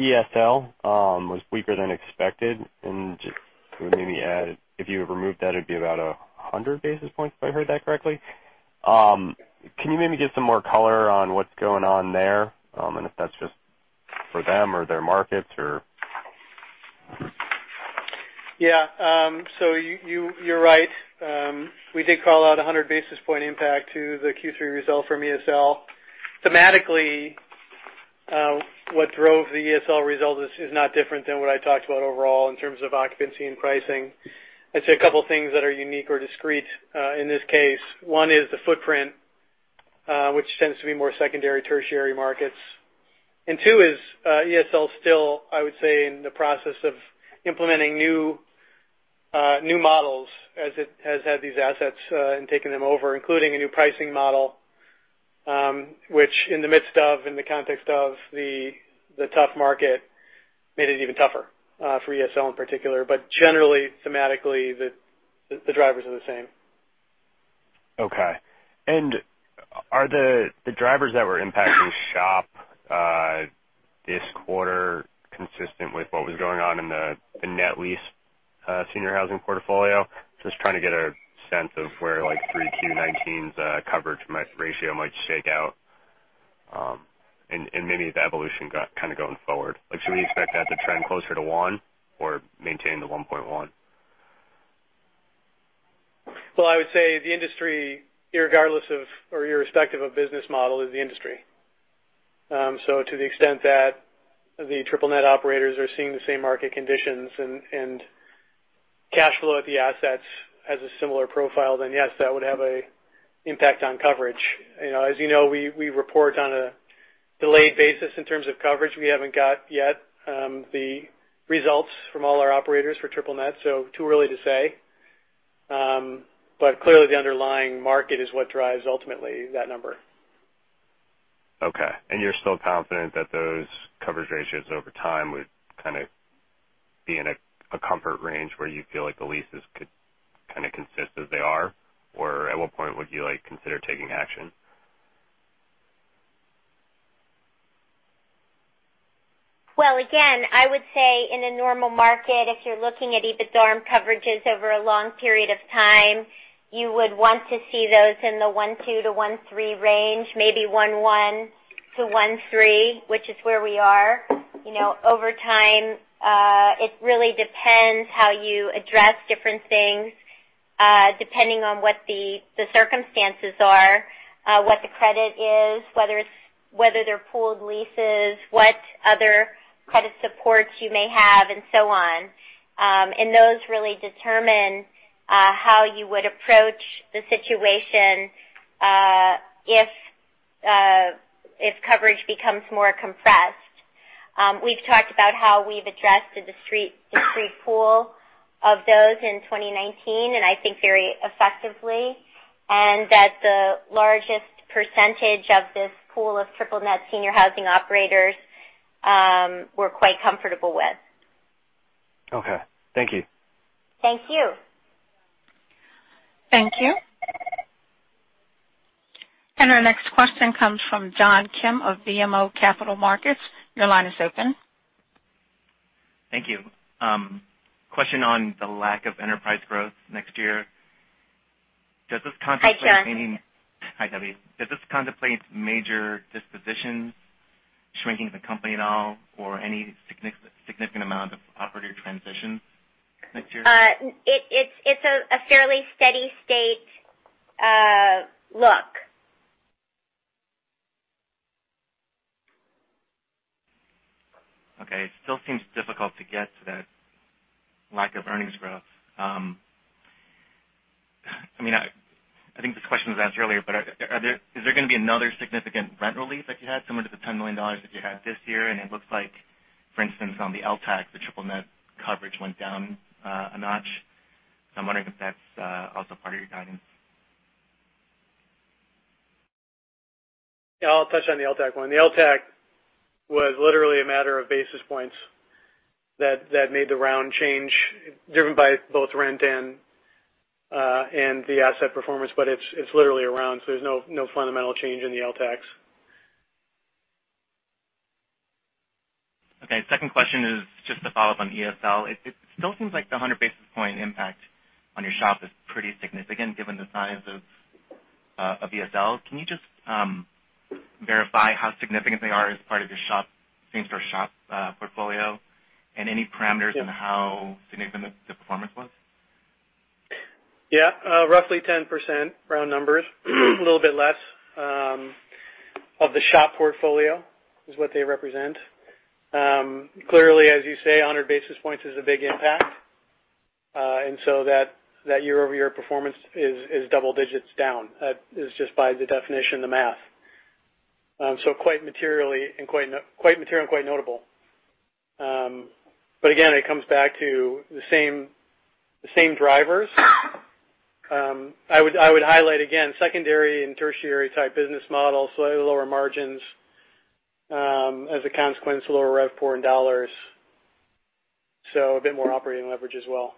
ESL was weaker than expected. Just maybe add, if you removed that, it'd be about 100 basis points, if I heard that correctly. Can you maybe give some more color on what's going on there, and if that's just for them or their markets or? Yeah. You, you're right. We did call out a 100 basis point impact to the Q3 result from ESL. Thematically, what drove the ESL result is not different than what I talked about overall in terms of occupancy and pricing. I'd say a couple things that are unique or discrete in this case. One is the footprint, which tends to be more secondary, tertiary markets. Two is ESL still, I would say, in the process of implementing new models as it has had these assets and taking them over, including a new pricing model, which in the midst of, in the context of the tough market, made it even tougher for ESL in particular. Generally, thematically, the drivers are the same. Okay. Are the drivers that were impacting SHOP this quarter consistent with what was going on in the net lease senior housing portfolio? Just trying to get a sense of where like 3Q 2019 coverage ratio might shake out, and maybe the evolution going forward. Like, should we expect that to trend closer to one or maintain the 1.1? Well, I would say the industry, irregardless of or irrespective of business model, is the industry. To the extent that the triple net operators are seeing the same market conditions and cash flow at the assets has a similar profile, then yes, that would have a impact on coverage. You know, as you know, we report on a delayed basis in terms of coverage. We haven't got yet, the results from all our operators for triple net, too early to say. Clearly the underlying market is what drives ultimately that number. Okay. You're still confident that those coverage ratios over time would kinda be in a comfort range where you feel like the leases could kinda consist as they are? At what point would you, like, consider taking action? Again, I would say in a normal market, if you're looking at EBITDARM coverages over a long period of time, you would want to see those in the 1.2 to 1.3 range, maybe 1.1 to 1.3, which is where we are. You know, over time, it really depends how you address different things, depending on what the circumstances are, what the credit is, whether they're pooled leases, what other credit supports you may have and so on. Those really determine how you would approach the situation, if coverage becomes more compressed. We've talked about how we've addressed the discrete pool of those in 2019, and I think very effectively, and that the largest percentage of this pool of triple net senior housing operators, we're quite comfortable with. Okay. Thank you. Thank you. Thank you. Our next question comes from John Kim of BMO Capital Markets. Your line is open. Thank you. Question on the lack of enterprise growth next year. Does this contemplate Hi, John. Hi, Debbie. Does this contemplate major dispositions, shrinking of the company at all or any significant amount of property transitions next year? It's a fairly steady state look. Okay. It still seems difficult to get to that lack of earnings growth. I mean, I think this question was asked earlier, but is there gonna be another significant rent release like you had similar to the $10 million that you had this year? It looks like, for instance, on the LTAC, the triple net coverage went down, a notch. I'm wondering if that's also part of your guidance. Yeah, I'll touch on the LTAC one. The LTAC was literally a matter of basis points that made the round change, driven by both rent and the asset performance, but it's literally around. There's no fundamental change in the LTACs. Okay. Second question is just to follow up on ESL. It still seems like the 100 basis point impact on your SHOP is pretty significant given the size of ESL. Can you just verify how significant they are as part of your SHOP, same store SHOP portfolio and any parameters- Yeah -on how significant the performance was? Yeah. Roughly 10% round numbers, a little bit less, of the SHOP portfolio is what they represent. Clearly, as you say, 100 basis points is a big impact. That YoY performance is double digits down. Is just by the definition, the math. So quite materially and quite material and quite notable. Again, it comes back to the same drivers. I would highlight again secondary and tertiary type business models, slightly lower margins, as a consequence to lower RevPOR in dollars, so a bit more operating leverage as well.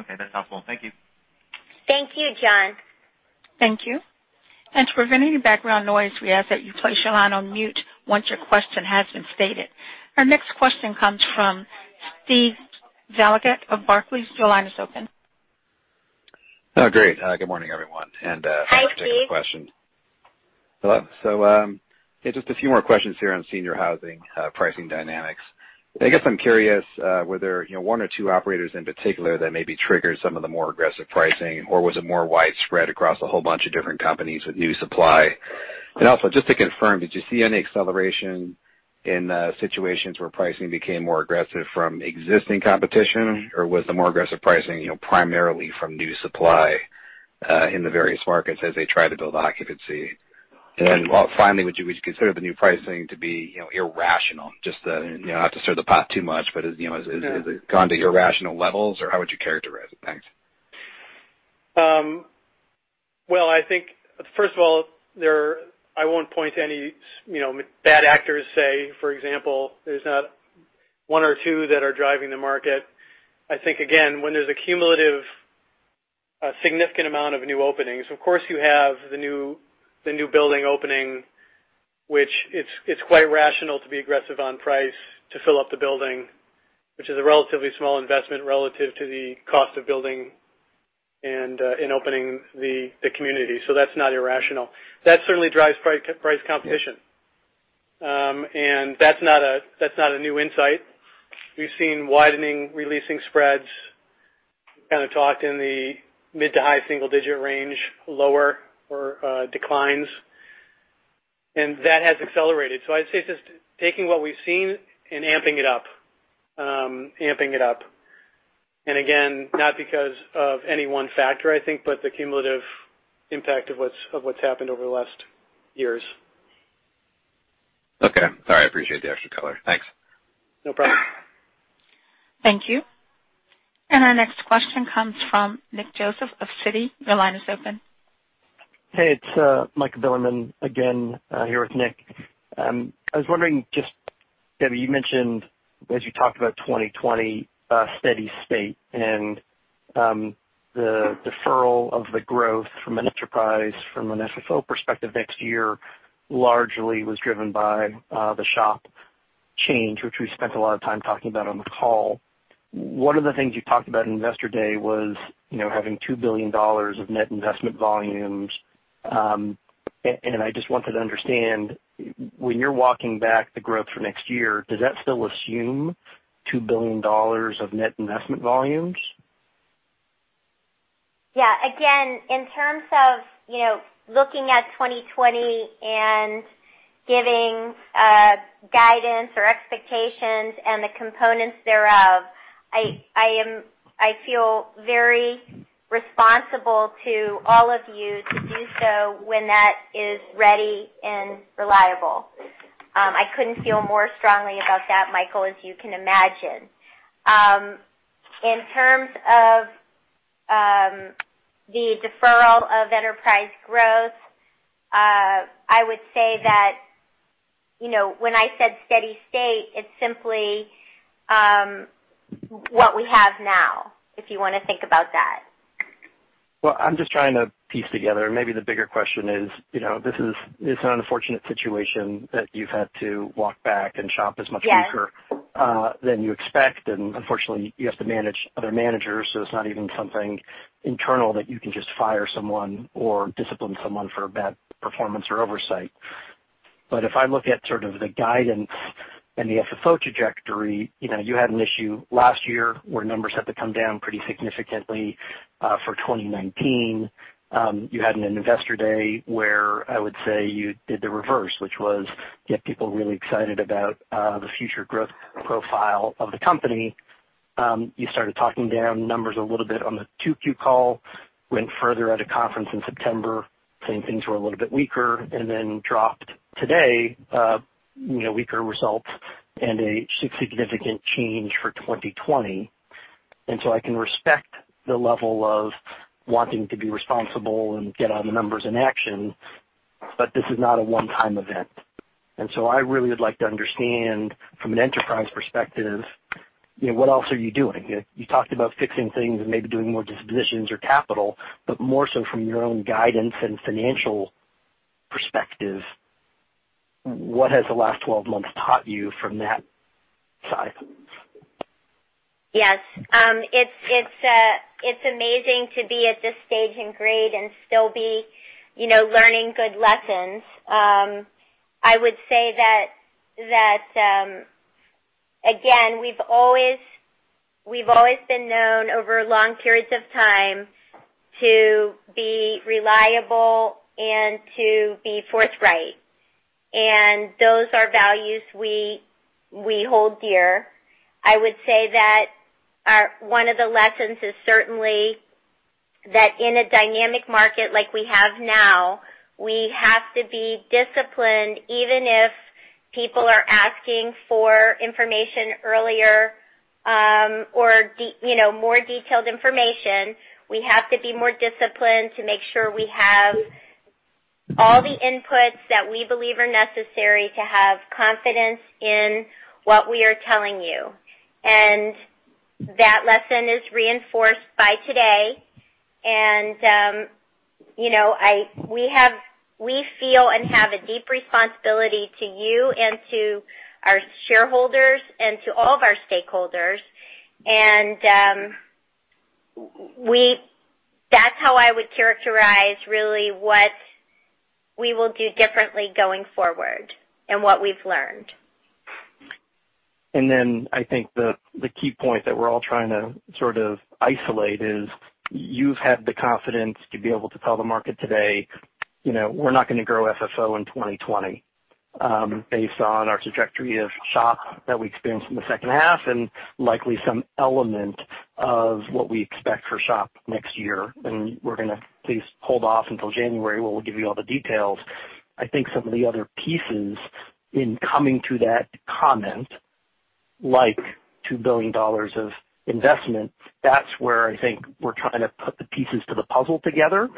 Okay. That's helpful. Thank you. Thank you, John. Thank you. To prevent any background noise, we ask that you place your line on mute once your question has been stated. Our next question comes from Steven Valiquette of Barclays. Your line is open. Oh, great. Good morning, everyone. Hi, Steve. Thanks for taking the question. Hello. Yeah, just a few more questions here on senior housing pricing dynamics. I guess I'm curious whether, you know, one or two operators in particular that maybe triggered some of the more aggressive pricing, or was it more widespread across a whole bunch of different companies with new supply? Just to confirm, did you see any acceleration in situations where pricing became more aggressive from existing competition, or was the more aggressive pricing, you know, primarily from new supply in the various markets as they try to build occupancy? Sure. Well, finally, would you consider the new pricing to be, you know, irrational? Just to, you know, not to stir the pot too much. No Is it gone to irrational levels, or how would you characterize it? Thanks. Well, I think, first of all, there I won't point to any you know, bad actors say, for example, there's not one or two that are driving the market. I think, again, when there's a cumulative, significant amount of new openings, of course you have the new building opening, which it's quite rational to be aggressive on price to fill up the building, which is a relatively small investment relative to the cost of building and, in opening the community. That's not irrational. That certainly drives price competition. That's not a, that's not a new insight. We've seen widening, releasing spreads kind of talked in the mid to high single-digit range, lower or declines, and that has accelerated. I'd say it's just taking what we've seen and amping it up. Again, not because of any one factor, I think, but the cumulative impact of what's happened over the last years. Okay. All right. I appreciate the extra color. Thanks. No problem. Thank you. Our next question comes from Nick Joseph of Citi. Your line is open. Hey, it's Michael Bilerman again, here with Nick Joseph. I was wondering, just, Debbie, you mentioned as you talked about 2020 steady state and the deferral of the growth from an enterprise from an FFO perspective next year largely was driven by the SHOP change, which we spent a lot of time talking about on the call. One of the things you talked about in Investor Day was, you know, having $2 billion of net investment volumes. And I just wanted to understand, when you're walking back the growth for next year, does that still assume $2 billion of net investment volumes? Yeah. Again, in terms of looking at 2020 and giving guidance or expectations and the components thereof, I feel very responsible to all of you to do so when that is ready and reliable. I couldn't feel more strongly about that, Michael, as you can imagine. In terms of the deferral of enterprise growth, I would say that when I said steady state, it's simply what we have now, if you wanna think about that. Well, I'm just trying to piece together. Maybe the bigger question is, you know, it's an unfortunate situation that you've had to walk back and SHOP as much weaker- Yes. ...than you expect. Unfortunately, you have to manage other managers, so it's not even something internal that you can just fire someone or discipline someone for bad performance or oversight. If I look at sort of the guidance and the FFO trajectory, you know, you had an issue last year where numbers had to come down pretty significantly for 2019. You had an investor day where I would say you did the reverse, which was get people really excited about the future growth profile of the company. You started talking down numbers a little bit on the 2Q call, went further at a conference in September, saying things were a little bit weaker, and then dropped today, you know, weaker results and a significant change for 2020. I can respect the level of wanting to be responsible and get on the numbers in action, but this is not a one-time event. I really would like to understand from an enterprise perspective, you know, what else are you doing? You, you talked about fixing things and maybe doing more dispositions or capital, but more so from your own guidance and financial perspective, what has the last 12 months taught you from that side of things? Yes. It's amazing to be at this stage in grade and still be, you know, learning good lessons. I would say that again, we've always been known over long periods of time to be reliable and to be forthright, and those are values we hold dear. I would say that our one of the lessons is certainly that in a dynamic market like we have now, we have to be disciplined even if people are asking for information earlier, you know, more detailed information. We have to be more disciplined to make sure we have all the inputs that we believe are necessary to have confidence in what we are telling you. That lesson is reinforced by today. You know, we feel and have a deep responsibility to you and to our shareholders and to all of our stakeholders. That's how I would characterize really what we will do differently going forward and what we've learned. I think the key point that we're all trying to sort of isolate is you've had the confidence to be able to tell the market today, you know, we're not gonna grow FFO in 2020, based on our trajectory of SHOP that we experienced in the second half and likely some element of what we expect for SHOP next year. We're gonna please hold off until January where we'll give you all the details. I think some of the other pieces in coming to that comment, like $2 billion of investment, that's where I think we're trying to put the pieces to the puzzle together,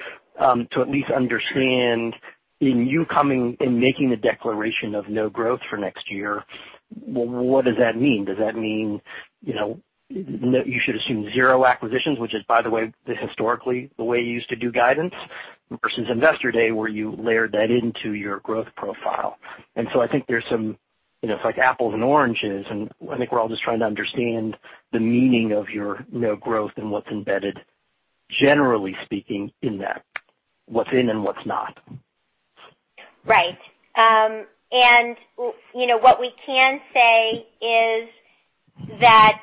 to at least understand in you coming and making the declaration of no growth for next year, what does that mean? Does that mean, you know, you should assume zero acquisitions, which is, by the way, historically the way you used to do guidance versus investor day, where you layered that into your growth profile. I think there's some, you know, it's like apples and oranges, and I think we're all just trying to understand the meaning of your no growth and what's embedded, generally speaking, in that, what's in and what's not. Right. You know, what we can say is that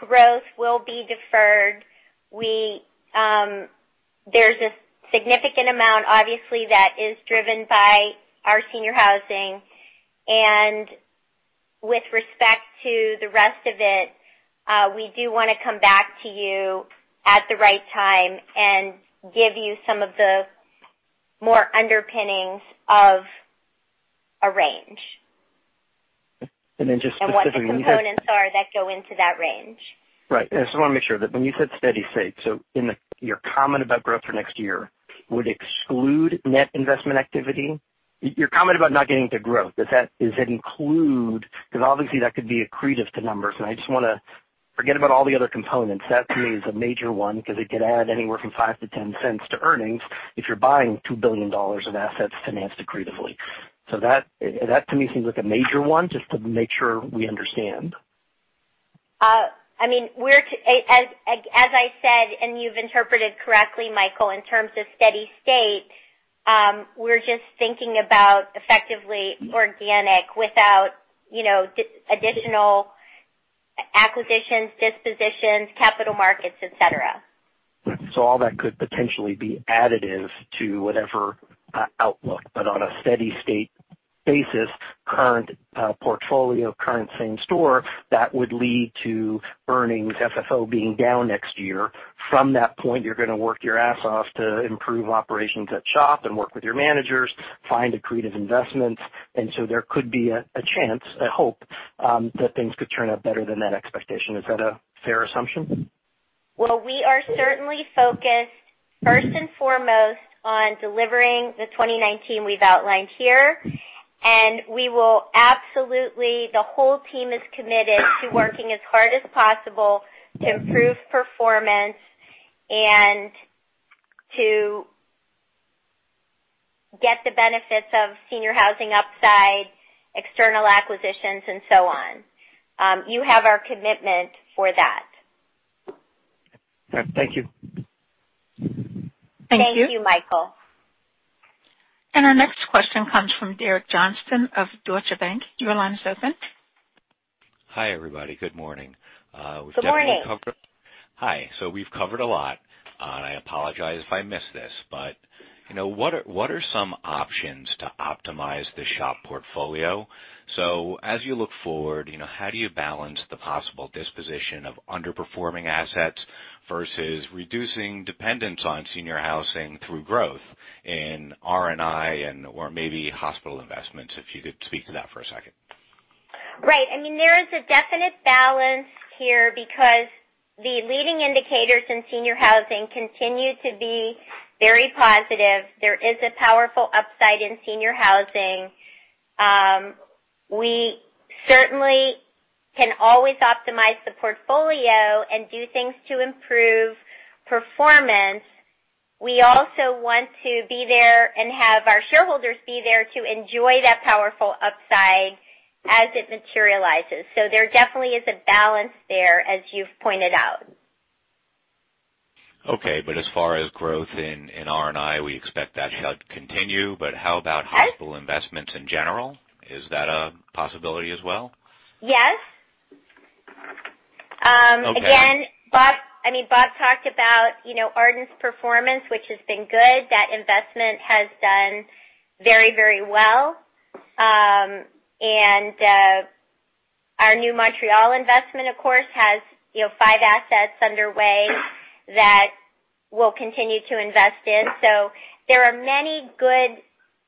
growth will be deferred. We, there's a significant amount obviously that is driven by our senior housing. With respect to the rest of it, we do wanna come back to you at the right time and give you some of the more underpinnings of a range. Just specifically- What the components are that go into that range. Right. I just wanna make sure that when you said steady state, in the your comment about growth for next year would exclude net investment activity. Your comment about not getting to growth, does that include Obviously that could be accretive to numbers, I just wanna forget about all the other components. That to me is a major one because it could add anywhere from $0.05-$0.10 to earnings if you're buying $2 billion of assets financed accretively. That to me seems like a major one, just to make sure we understand. I mean, as I said, and you've interpreted correctly, Michael, in terms of steady state, we're just thinking about effectively organic without, you know, additional acquisitions, dispositions, capital markets, et cetera. All that could potentially be additive to whatever outlook. On a steady state basis, current portfolio, current same store, that would lead to earnings FFO being down next year. From that point, you're gonna work your ass off to improve operations at SHOP and work with your managers, find accretive investments. There could be a chance, a hope that things could turn out better than that expectation. Is that a fair assumption? Well, we are certainly focused first and foremost on delivering the 2019 we've outlined here. The whole team is committed to working as hard as possible to improve performance and to get the benefits of senior housing upside, external acquisitions, and so on. You have our commitment for that. Okay. Thank you. Thank you, Michael. Our next question comes from Derek Johnston of Deutsche Bank. Your line is open. Hi, everybody. Good morning. Good morning. Hi. We've covered a lot, and I apologize if I miss this, but, you know, what are some options to optimize the SHOP portfolio? As you look forward, you know, how do you balance the possible disposition of underperforming assets versus reducing dependence on senior housing through growth in R&I and/or maybe hospital investments, if you could speak to that for a second. Right. I mean, there is a definite balance here because the leading indicators in senior housing continue to be very positive. There is a powerful upside in senior housing. We certainly can always optimize the portfolio and do things to improve performance. We also want to be there and have our shareholders be there to enjoy that powerful upside as it materializes. There definitely is a balance there, as you've pointed out. Okay. As far as growth in R&I, we expect that shall continue. Yes Hospital investments in general? Is that a possibility as well? Yes. Okay. Bob, I mean Bob talked about, you know, Ardent's performance, which has been good. That investment has done very, very well. Our new Montreal investment, of course, has, you know, five assets underway that we'll continue to invest in. There are many good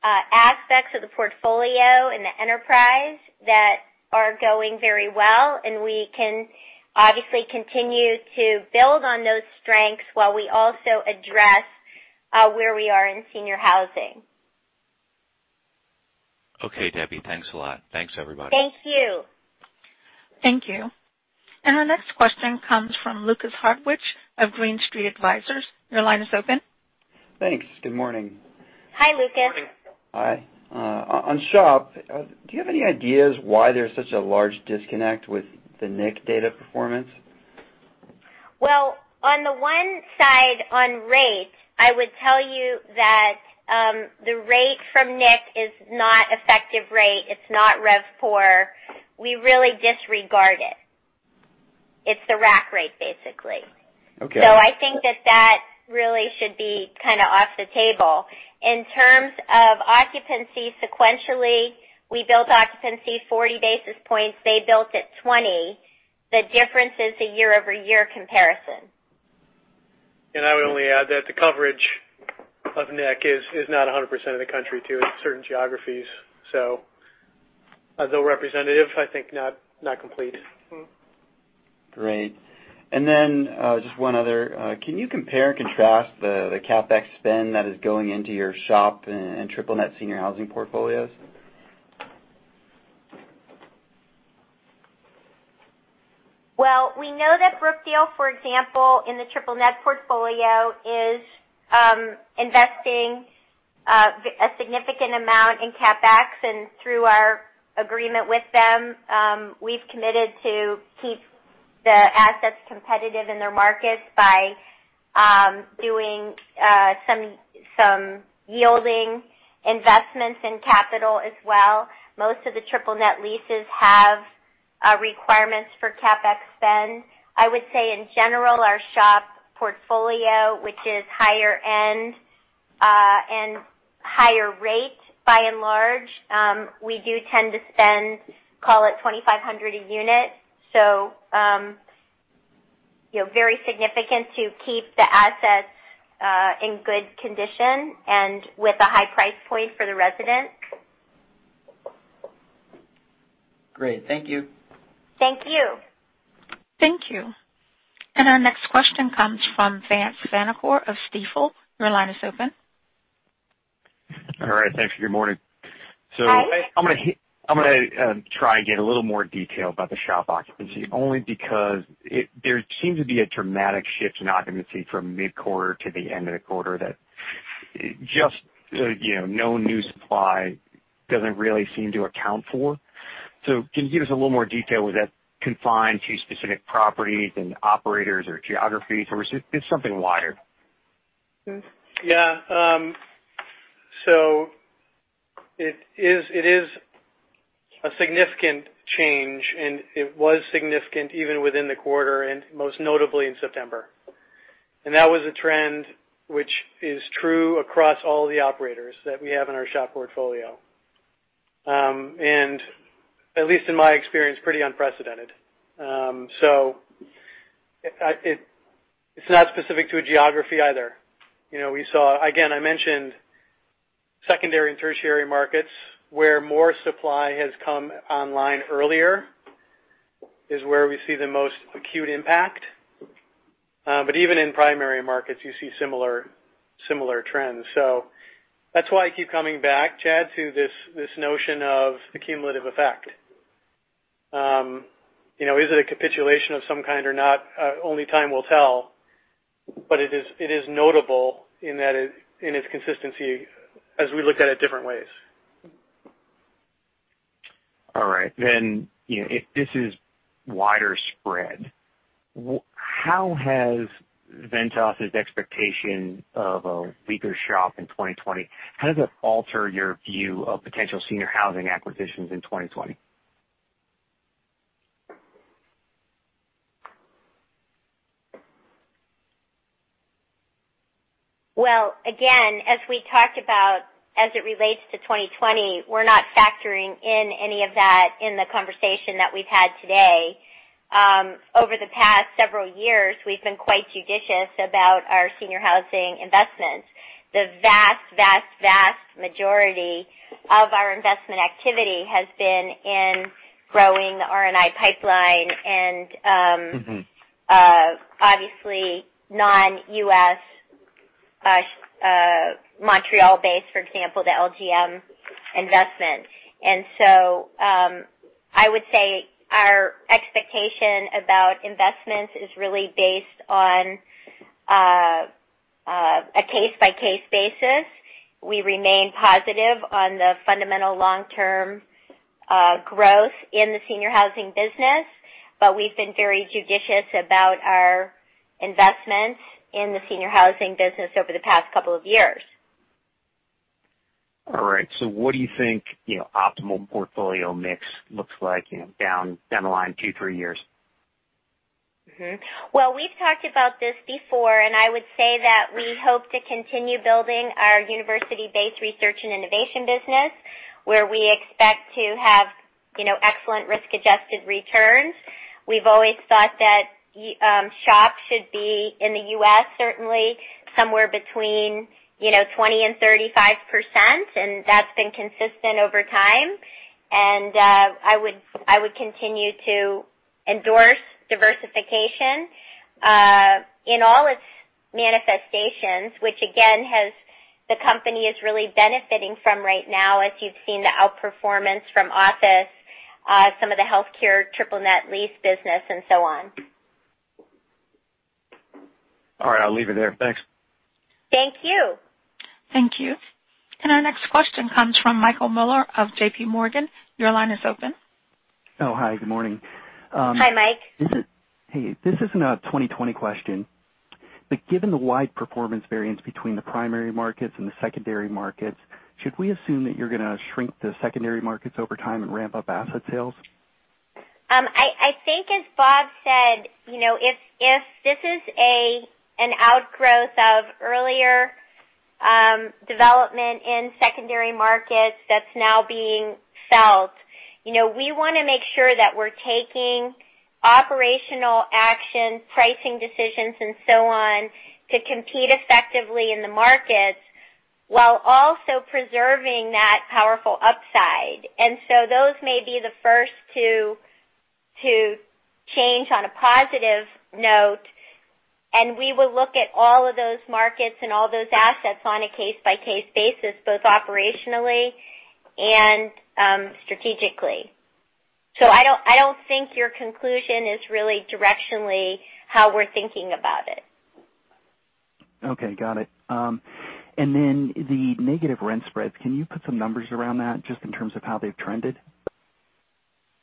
aspects of the portfolio in the enterprise that are going very well, and we can obviously continue to build on those strengths while we also address where we are in senior housing. Okay, Debbie. Thanks a lot. Thanks, everybody. Thank you. Thank you. Our next question comes from Lukas Hartwich of Green Street Advisors. Your line is open. Thanks. Good morning. Hi, Lukas. Hi. on SHOP, do you have any ideas why there's such a large disconnect with the NIC data performance? On the one side, on rates, I would tell you that the rate from NIC is not effective rate. It's not RevPOR. We really disregard it. It's the rack rate, basically. Okay. I think that that really should be kind of off the table. In terms of occupancy sequentially, we built occupancy 40 basis points. They built at 20. The difference is a YoY comparison. I would only add that the coverage of NIC is not 100% of the country, too. It's certain geographies. Although representative, I think not complete. Great. Just one other. Can you compare and contrast the CapEx spend that is going into your SHOP and triple net senior housing portfolios? Well, we know that Brookdale, for example, in the triple net portfolio is investing a significant amount in CapEx. Through our agreement with them, we've committed to keep the assets competitive in their markets by doing some yielding investments in capital as well. Most of the triple net leases have requirements for CapEx spend. I would say in general, our SHOP portfolio, which is higher end and higher rate, by and large, we do tend to spend, call it $2,500 a unit. You know, very significant to keep the assets in good condition and with a high price point for the residents. Great. Thank you. Thank you. Thank you. Our next question comes from Tayo Okusanya of Stifel. Your line is open. All right. Thanks. Good morning. Hi. I'm gonna try and get a little more detail about the SHOP occupancy, only because there seems to be a dramatic shift in occupancy from mid-quarter to the end of the quarter that just, you know, no new supply doesn't really seem to account for. Can you give us a little more detail? Was that confined to specific properties and operators or geographies, or was it's something wider? Yeah. It is, it is a significant change, it was significant even within the quarter and most notably in September. That was a trend which is true across all the operators that we have in our SHOP portfolio. At least in my experience, pretty unprecedented. It's not specific to a geography either. You know, we saw Again, I mentioned secondary and tertiary markets, where more supply has come online earlier, is where we see the most acute impact. Even in primary markets, you see similar trends. That's why I keep coming back, Chad, to this notion of accumulative effect. You know, is it a capitulation of some kind or not? Only time will tell, it is notable in that in its consistency as we look at it different ways. All right. you know, if this is wider spread, how has Ventas's expectation of the weaker shop in 2020, how does it alter your view of potential senior housing acquisitions in 2020? Well, again, as we talked about as it relates to 2020, we're not factoring in any of that in the conversation that we've had today. Over the past several years, we've been quite judicious about our senior housing investments. The vast, vast majority of our investment activity has been in growing the R&I pipeline. obviously non-U.S., Montreal-based, for example, the LGM investment. I would say our expectation about investments is really based on a case-by-case basis. We remain positive on the fundamental long-term growth in the senior housing business, but we've been very judicious about our investments in the senior housing business over the past couple of years. All right. What do you think, you know, optimal portfolio mix looks like, you know, down the line two, three years? Well, we've talked about this before, we hope to continue building our university-based Research and Innovation business, where we expect to have, you know, excellent risk-adjusted returns. We've always thought that SHOP should be in the U.S., certainly somewhere between, you know, 20% and 35%, and that's been consistent over time. I would continue to endorse diversification in all its manifestations, which again, the company is really benefiting from right now as you've seen the outperformance from Office, some of the healthcare triple net lease business and so on. All right. I'll leave it there. Thanks. Thank you. Thank you. Our next question comes from Michael Mueller of J.P. Morgan. Your line is open. Oh, hi, good morning. Hi, Mike. Hey, this isn't a 2020 question, but given the wide performance variance between the primary markets and the secondary markets, should we assume that you're gonna shrink the secondary markets over time and ramp up asset sales? I think as Bob said, you know, if this is an outgrowth of earlier development in secondary markets that's now being felt, you know, we wanna make sure that we're taking operational action, pricing decisions and so on to compete effectively in the markets while also preserving that powerful upside. Those may be the first to change on a positive note, and we will look at all of those markets and all those assets on a case-by-case basis, both operationally and strategically. I don't think your conclusion is really directionally how we're thinking about it. Okay, got it. Then the negative rent spreads, can you put some numbers around that just in terms of how they've trended?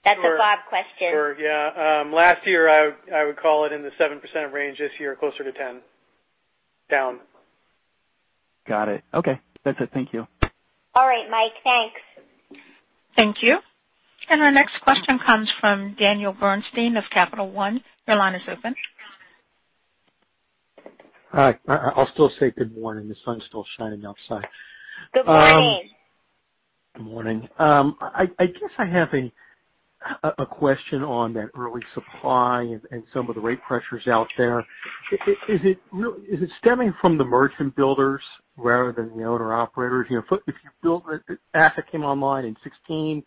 That's a Bob question. Sure. Sure, yeah. last year, I would call it in the 7% range. This year, closer to 10%, down. Got it. Okay. That's it. Thank you. All right, Mike. Thanks. Thank you. Our next question comes from Daniel Bernstein of Capital One. Your line is open. Hi. I'll still say good morning. The sun's still shining outside. Good morning. Good morning. I guess I have a question on that early supply and some of the rate pressures out there. Is it stemming from the merchant builders rather than the owner-operators? You know, if you build it, the asset came online in 2016,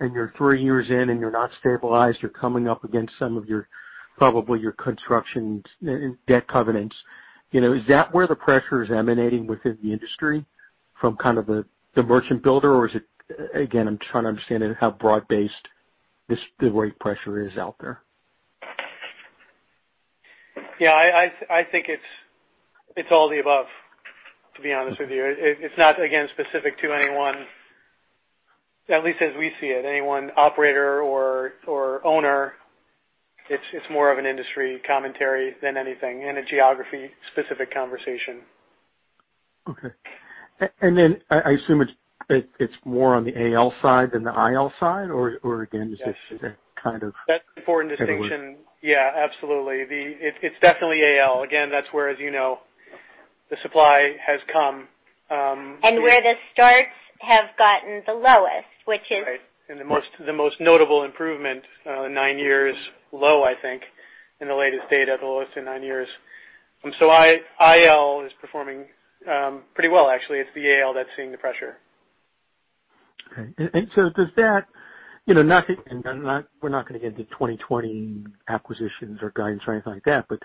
and you're three years in and you're not stabilized, you're coming up against some of your, probably your construction debt covenants. You know, is that where the pressure is emanating within the industry from kind of the merchant builder, or is it again, I'm trying to understand how broad-based this, the rate pressure is out there. Yeah. I think it's all the above, to be honest with you. It's not, again, specific to anyone, at least as we see it, any one operator or owner. It's more of an industry commentary than anything in a geography specific conversation. Okay. Then I assume it's more on the AL side than the IL side or again, is this kind of? That's an important distinction. Yeah, absolutely. It's definitely AL. Again, that's where, as you know, the supply has come. Where the starts have gotten the lowest. Right. The most notable improvement, nine years low, I think, in the latest data, the lowest in nine years. IL is performing pretty well, actually. It's the AL that's seeing the pressure. Okay. Does that, you know, not. We're not gonna get into 2020 acquisitions or guidance or anything like that, but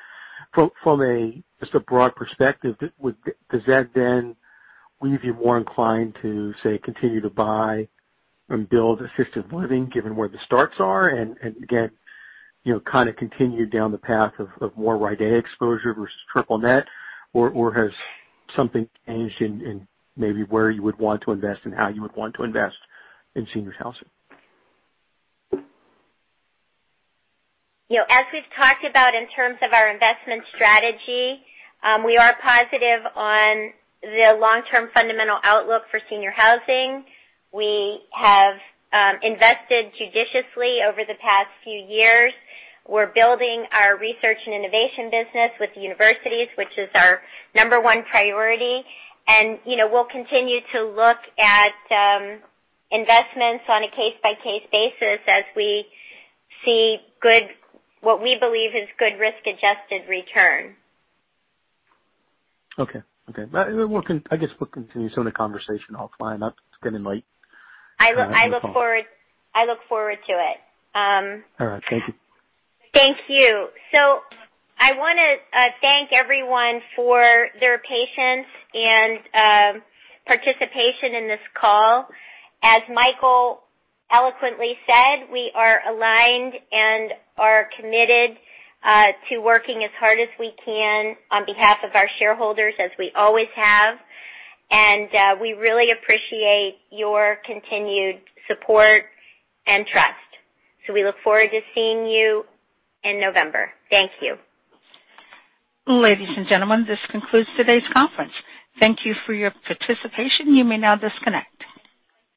from a, just a broad perspective, does that then leave you more inclined to, say, continue to buy and build assisted living given where the starts are, and, again, you know, kind of continue down the path of more R&I exposure versus triple net? Or has something changed in maybe where you would want to invest and how you would want to invest in seniors housing? You know, as we've talked about in terms of our investment strategy, we are positive on the long-term fundamental outlook for senior housing. We have, invested judiciously over the past few years. We're building our Research & Innovation business with universities, which is our number one priority. You know, we'll continue to look at, investments on a case-by-case basis as we see good, what we believe is good risk-adjusted return. Okay. Okay. I guess we'll continue some of the conversation offline. That's been in my phone. I look forward to it. All right. Thank you. Thank you. I wanna thank everyone for their patience and participation in this call. As Michael eloquently said, we are aligned and are committed to working as hard as we can on behalf of our shareholders as we always have, and we really appreciate your continued support and trust. We look forward to seeing you in November. Thank you. Ladies and gentlemen, this concludes today's conference. Thank you for your participation. You may now disconnect.